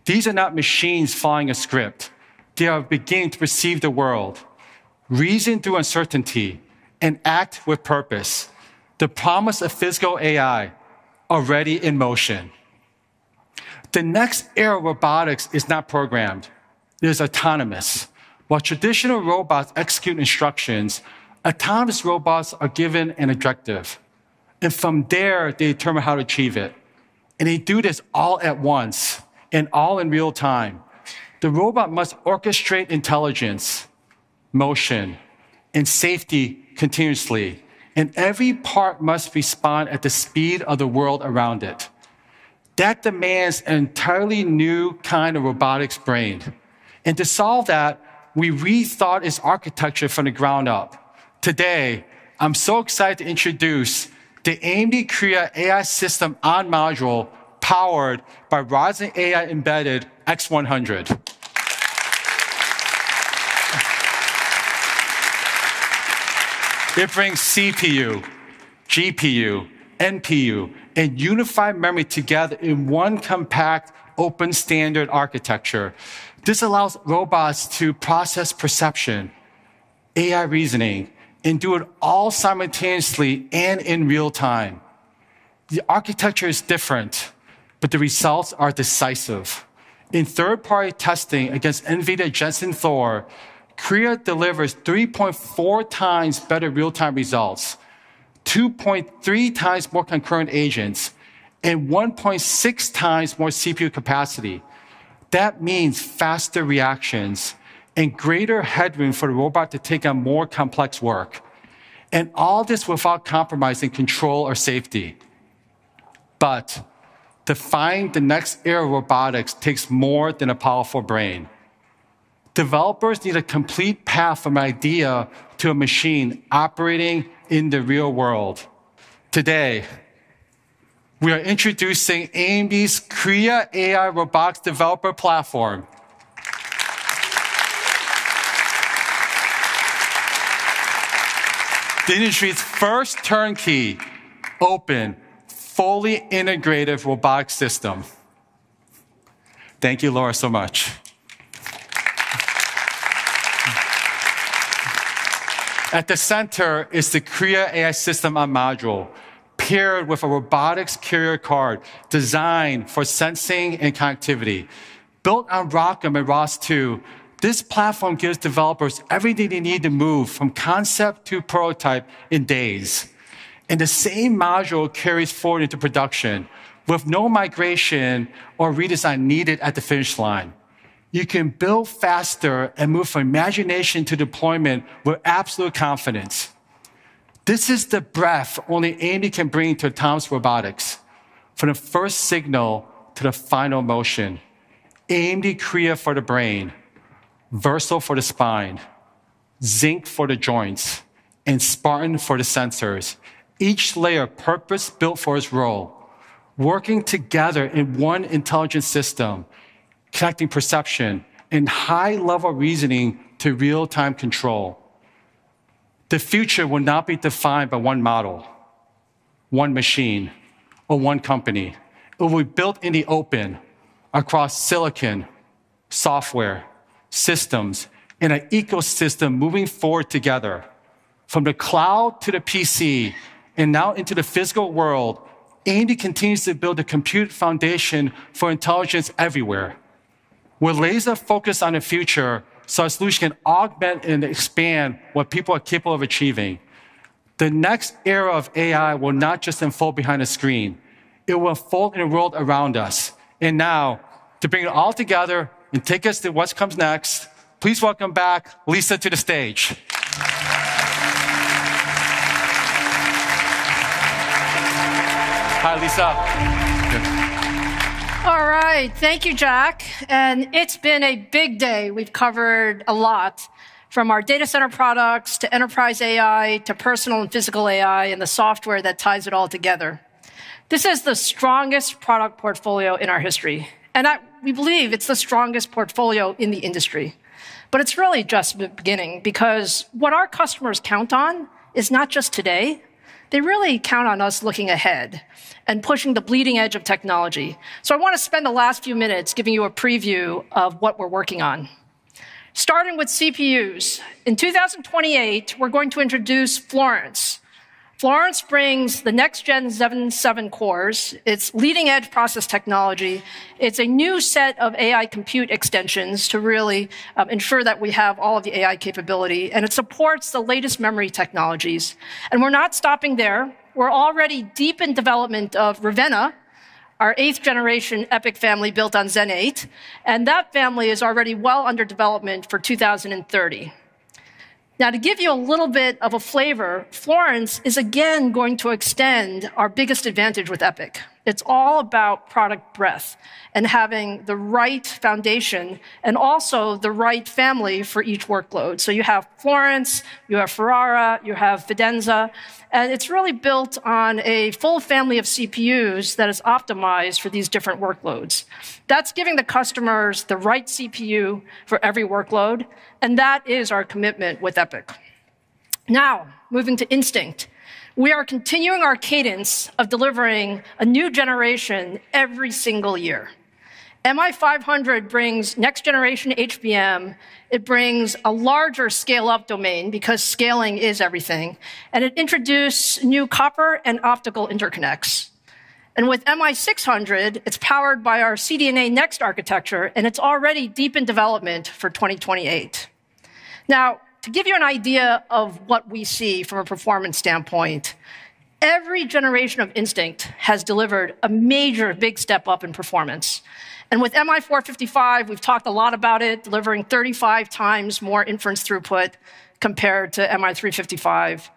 These are not machines following a script. They are beginning to perceive the world, reason through uncertainty, and act with purpose. The promise of physical AI already in motion. The next era of robotics is not programmed, it is autonomous. While traditional robots execute instructions, autonomous robots are given an objective, from there, they determine how to achieve it. They do this all at once and all in real time. The robot must orchestrate intelligence, motion, and safety continuously, and every part must respond at the speed of the world around it. That demands an entirely new kind of robotics brain. To solve that, we rethought its architecture from the ground up. Today, I'm so excited to introduce the AMD Kria AI System-on-Module powered by Ryzen AI Embedded X100. It brings CPU, GPU, NPU, and unified memory together in one compact open standard architecture. This allows robots to process perception, AI reasoning, and do it all simultaneously and in real time. The architecture is different, but the results are decisive. In third-party testing against NVIDIA Jetson Thor, Kria delivers 3.4 times better real-time results, 2.3 times more concurrent agents, and 1.6 times more CPU capacity. That means faster reactions and greater headroom for the robot to take on more complex work. All this without compromising control or safety. Defining the next era of robotics takes more than a powerful brain. Developers need a complete path from idea to a machine operating in the real world. Today, we are introducing AMD's Kria AI robotics developer platform. The industry's first turnkey, open, fully integrated robotic system. Thank you, Laura, so much. At the center is the Kria AI System-on-Module, paired with a robotics carrier card designed for sensing and connectivity. Built on ROCm and ROS2, this platform gives developers everything they need to move from concept to prototype in days. The same module carries forward into production with no migration or redesign needed at the finish line. You can build faster and move from imagination to deployment with absolute confidence. This is the breadth only AMD can bring to autonomous robotics. From the first signal to the final motion. AMD Kria for the brain, Versal for the spine, Zynq for the joints, and Spartan for the sensors. Each layer purpose-built for its role, working together in one intelligent system, connecting perception and high-level reasoning to real-time control. The future will not be defined by one model, one machine, or one company. It will be built in the open across silicon, software, systems, in an ecosystem moving forward together. From the cloud to the PC, now into the physical world, AMD continues to build a compute foundation for intelligence everywhere. We're laser focused on the future, so our solution can augment and expand what people are capable of achieving. The next era of AI will not just unfold behind a screen. It will unfold in the world around us. Now, to bring it all together and take us to what comes next, please welcome back Lisa to the stage. Hi, Lisa. All right. Thank you, Jack. It's been a big day. We've covered a lot. From our data center products, to enterprise AI, to personal and physical AI, and the software that ties it all together. This is the strongest product portfolio in our history, and we believe it's the strongest portfolio in the industry. It's really just the beginning, because what our customers count on is not just today, they really count on us looking ahead and pushing the bleeding edge of technology. I want to spend the last few minutes giving you a preview of what we're working on. Starting with CPUs. In 2028, we're going to introduce Florence. Florence brings the next-gen Zen 7 cores, its leading-edge process technology, it's a new set of AI compute extensions to really ensure that we have all of the AI capability, and it supports the latest memory technologies. We're not stopping there. We're already deep in development of Ravenna, our eighth generation EPYC family built on Zen 8, and that family is already well under development for 2030. To give you a little bit of a flavor, Florence is again going to extend our biggest advantage with EPYC. It's all about product breadth and having the right foundation, and also the right family for each workload. You have Florence, you have Ferrara, you have Faenza, and it's really built on a full family of CPUs that is optimized for these different workloads. That's giving the customers the right CPU for every workload, and that is our commitment with EPYC. Moving to Instinct. We are continuing our cadence of delivering a new generation every single year. MI500 brings next-generation HBM, it brings a larger scale-up domain because scaling is everything, and it introduce new copper and optical interconnects. With MI600, it's powered by our CDNA Next architecture, and it's already deep in development for 2028. To give you an idea of what we see from a performance standpoint, every generation of Instinct has delivered a major big step up in performance. With MI455, we've talked a lot about it, delivering 35 times more inference throughput compared to MI355.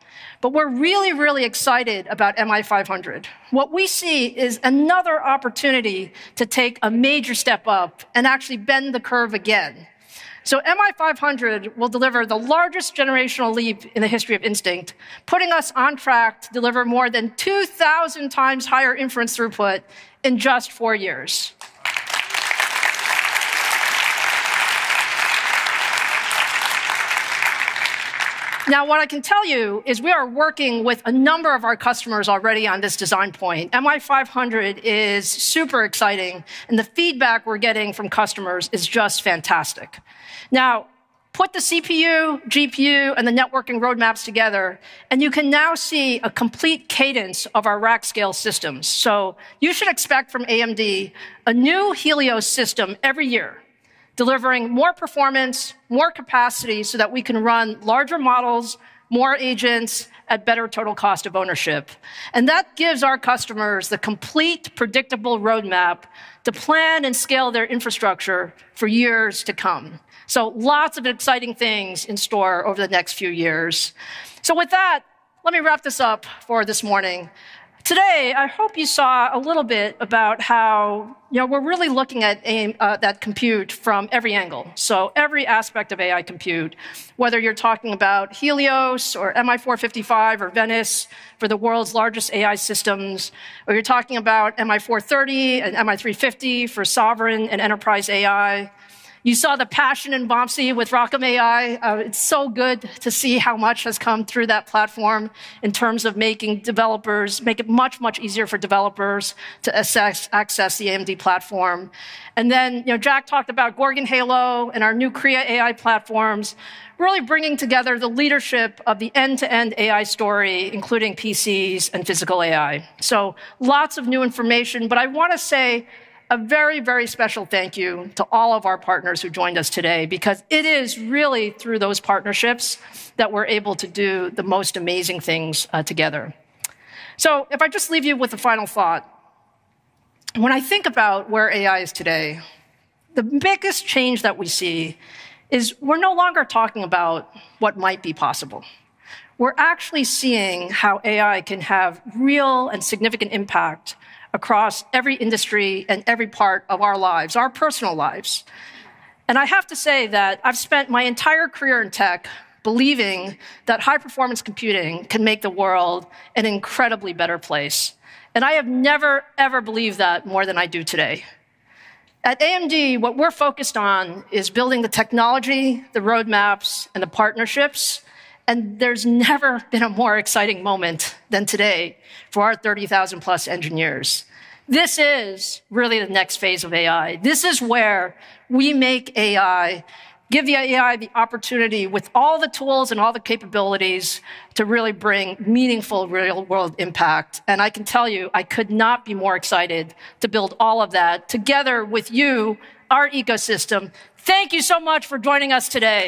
We're really excited about MI500. What we see is another opportunity to take a major step up and actually bend the curve again. MI500 will deliver the largest generational leap in the history of Instinct, putting us on track to deliver more than 2,000 times higher inference throughput in just four years. What I can tell you is we are working with a number of our customers already on this design point. MI500 is super exciting and the feedback we're getting from customers is just fantastic. Put the CPU, GPU, and the networking roadmaps together, and you can now see a complete cadence of our rack scale systems. You should expect from AMD a new Helios system every year, delivering more performance, more capacity, so that we can run larger models, more agents, at better total cost of ownership. That gives our customers the complete predictable roadmap to plan and scale their infrastructure for years to come. Lots of exciting things in store over the next few years. With that, let me wrap this up for this morning. Today, I hope you saw a little bit about how we're really looking at that compute from every angle. Every aspect of AI compute, whether you're talking about Helios or MI455 or Venice for the world's largest AI systems, or you're talking about MI430 and MI350 for sovereign and enterprise AI. You saw the passion in Vamsi with ROCm AI. It's so good to see how much has come through that platform in terms of making it much easier for developers to access the AMD platform. Jack talked about Gorgon Halo and our new Kria AI platforms, really bringing together the leadership of the end-to-end AI story, including PCs and physical AI. Lots of new information, but I want to say a very, very special thank you to all of our partners who joined us today, because it is really through those partnerships that we're able to do the most amazing things together. If I just leave you with a final thought, when I think about where AI is today, the biggest change that we see is we're no longer talking about what might be possible. We're actually seeing how AI can have real and significant impact across every industry and every part of our lives, our personal lives. I have to say that I've spent my entire career in tech believing that high-performance computing can make the world an incredibly better place. I have never, ever believed that more than I do today. At AMD, what we're focused on is building the technology, the roadmaps, and the partnerships, and there's never been a more exciting moment than today for our 30,000-plus engineers. This is really the next phase of AI. This is where we make AI, give the AI the opportunity with all the tools and all the capabilities to really bring meaningful, real-world impact. I can tell you, I could not be more excited to build all of that together with you, our ecosystem. Thank you so much for joining us today.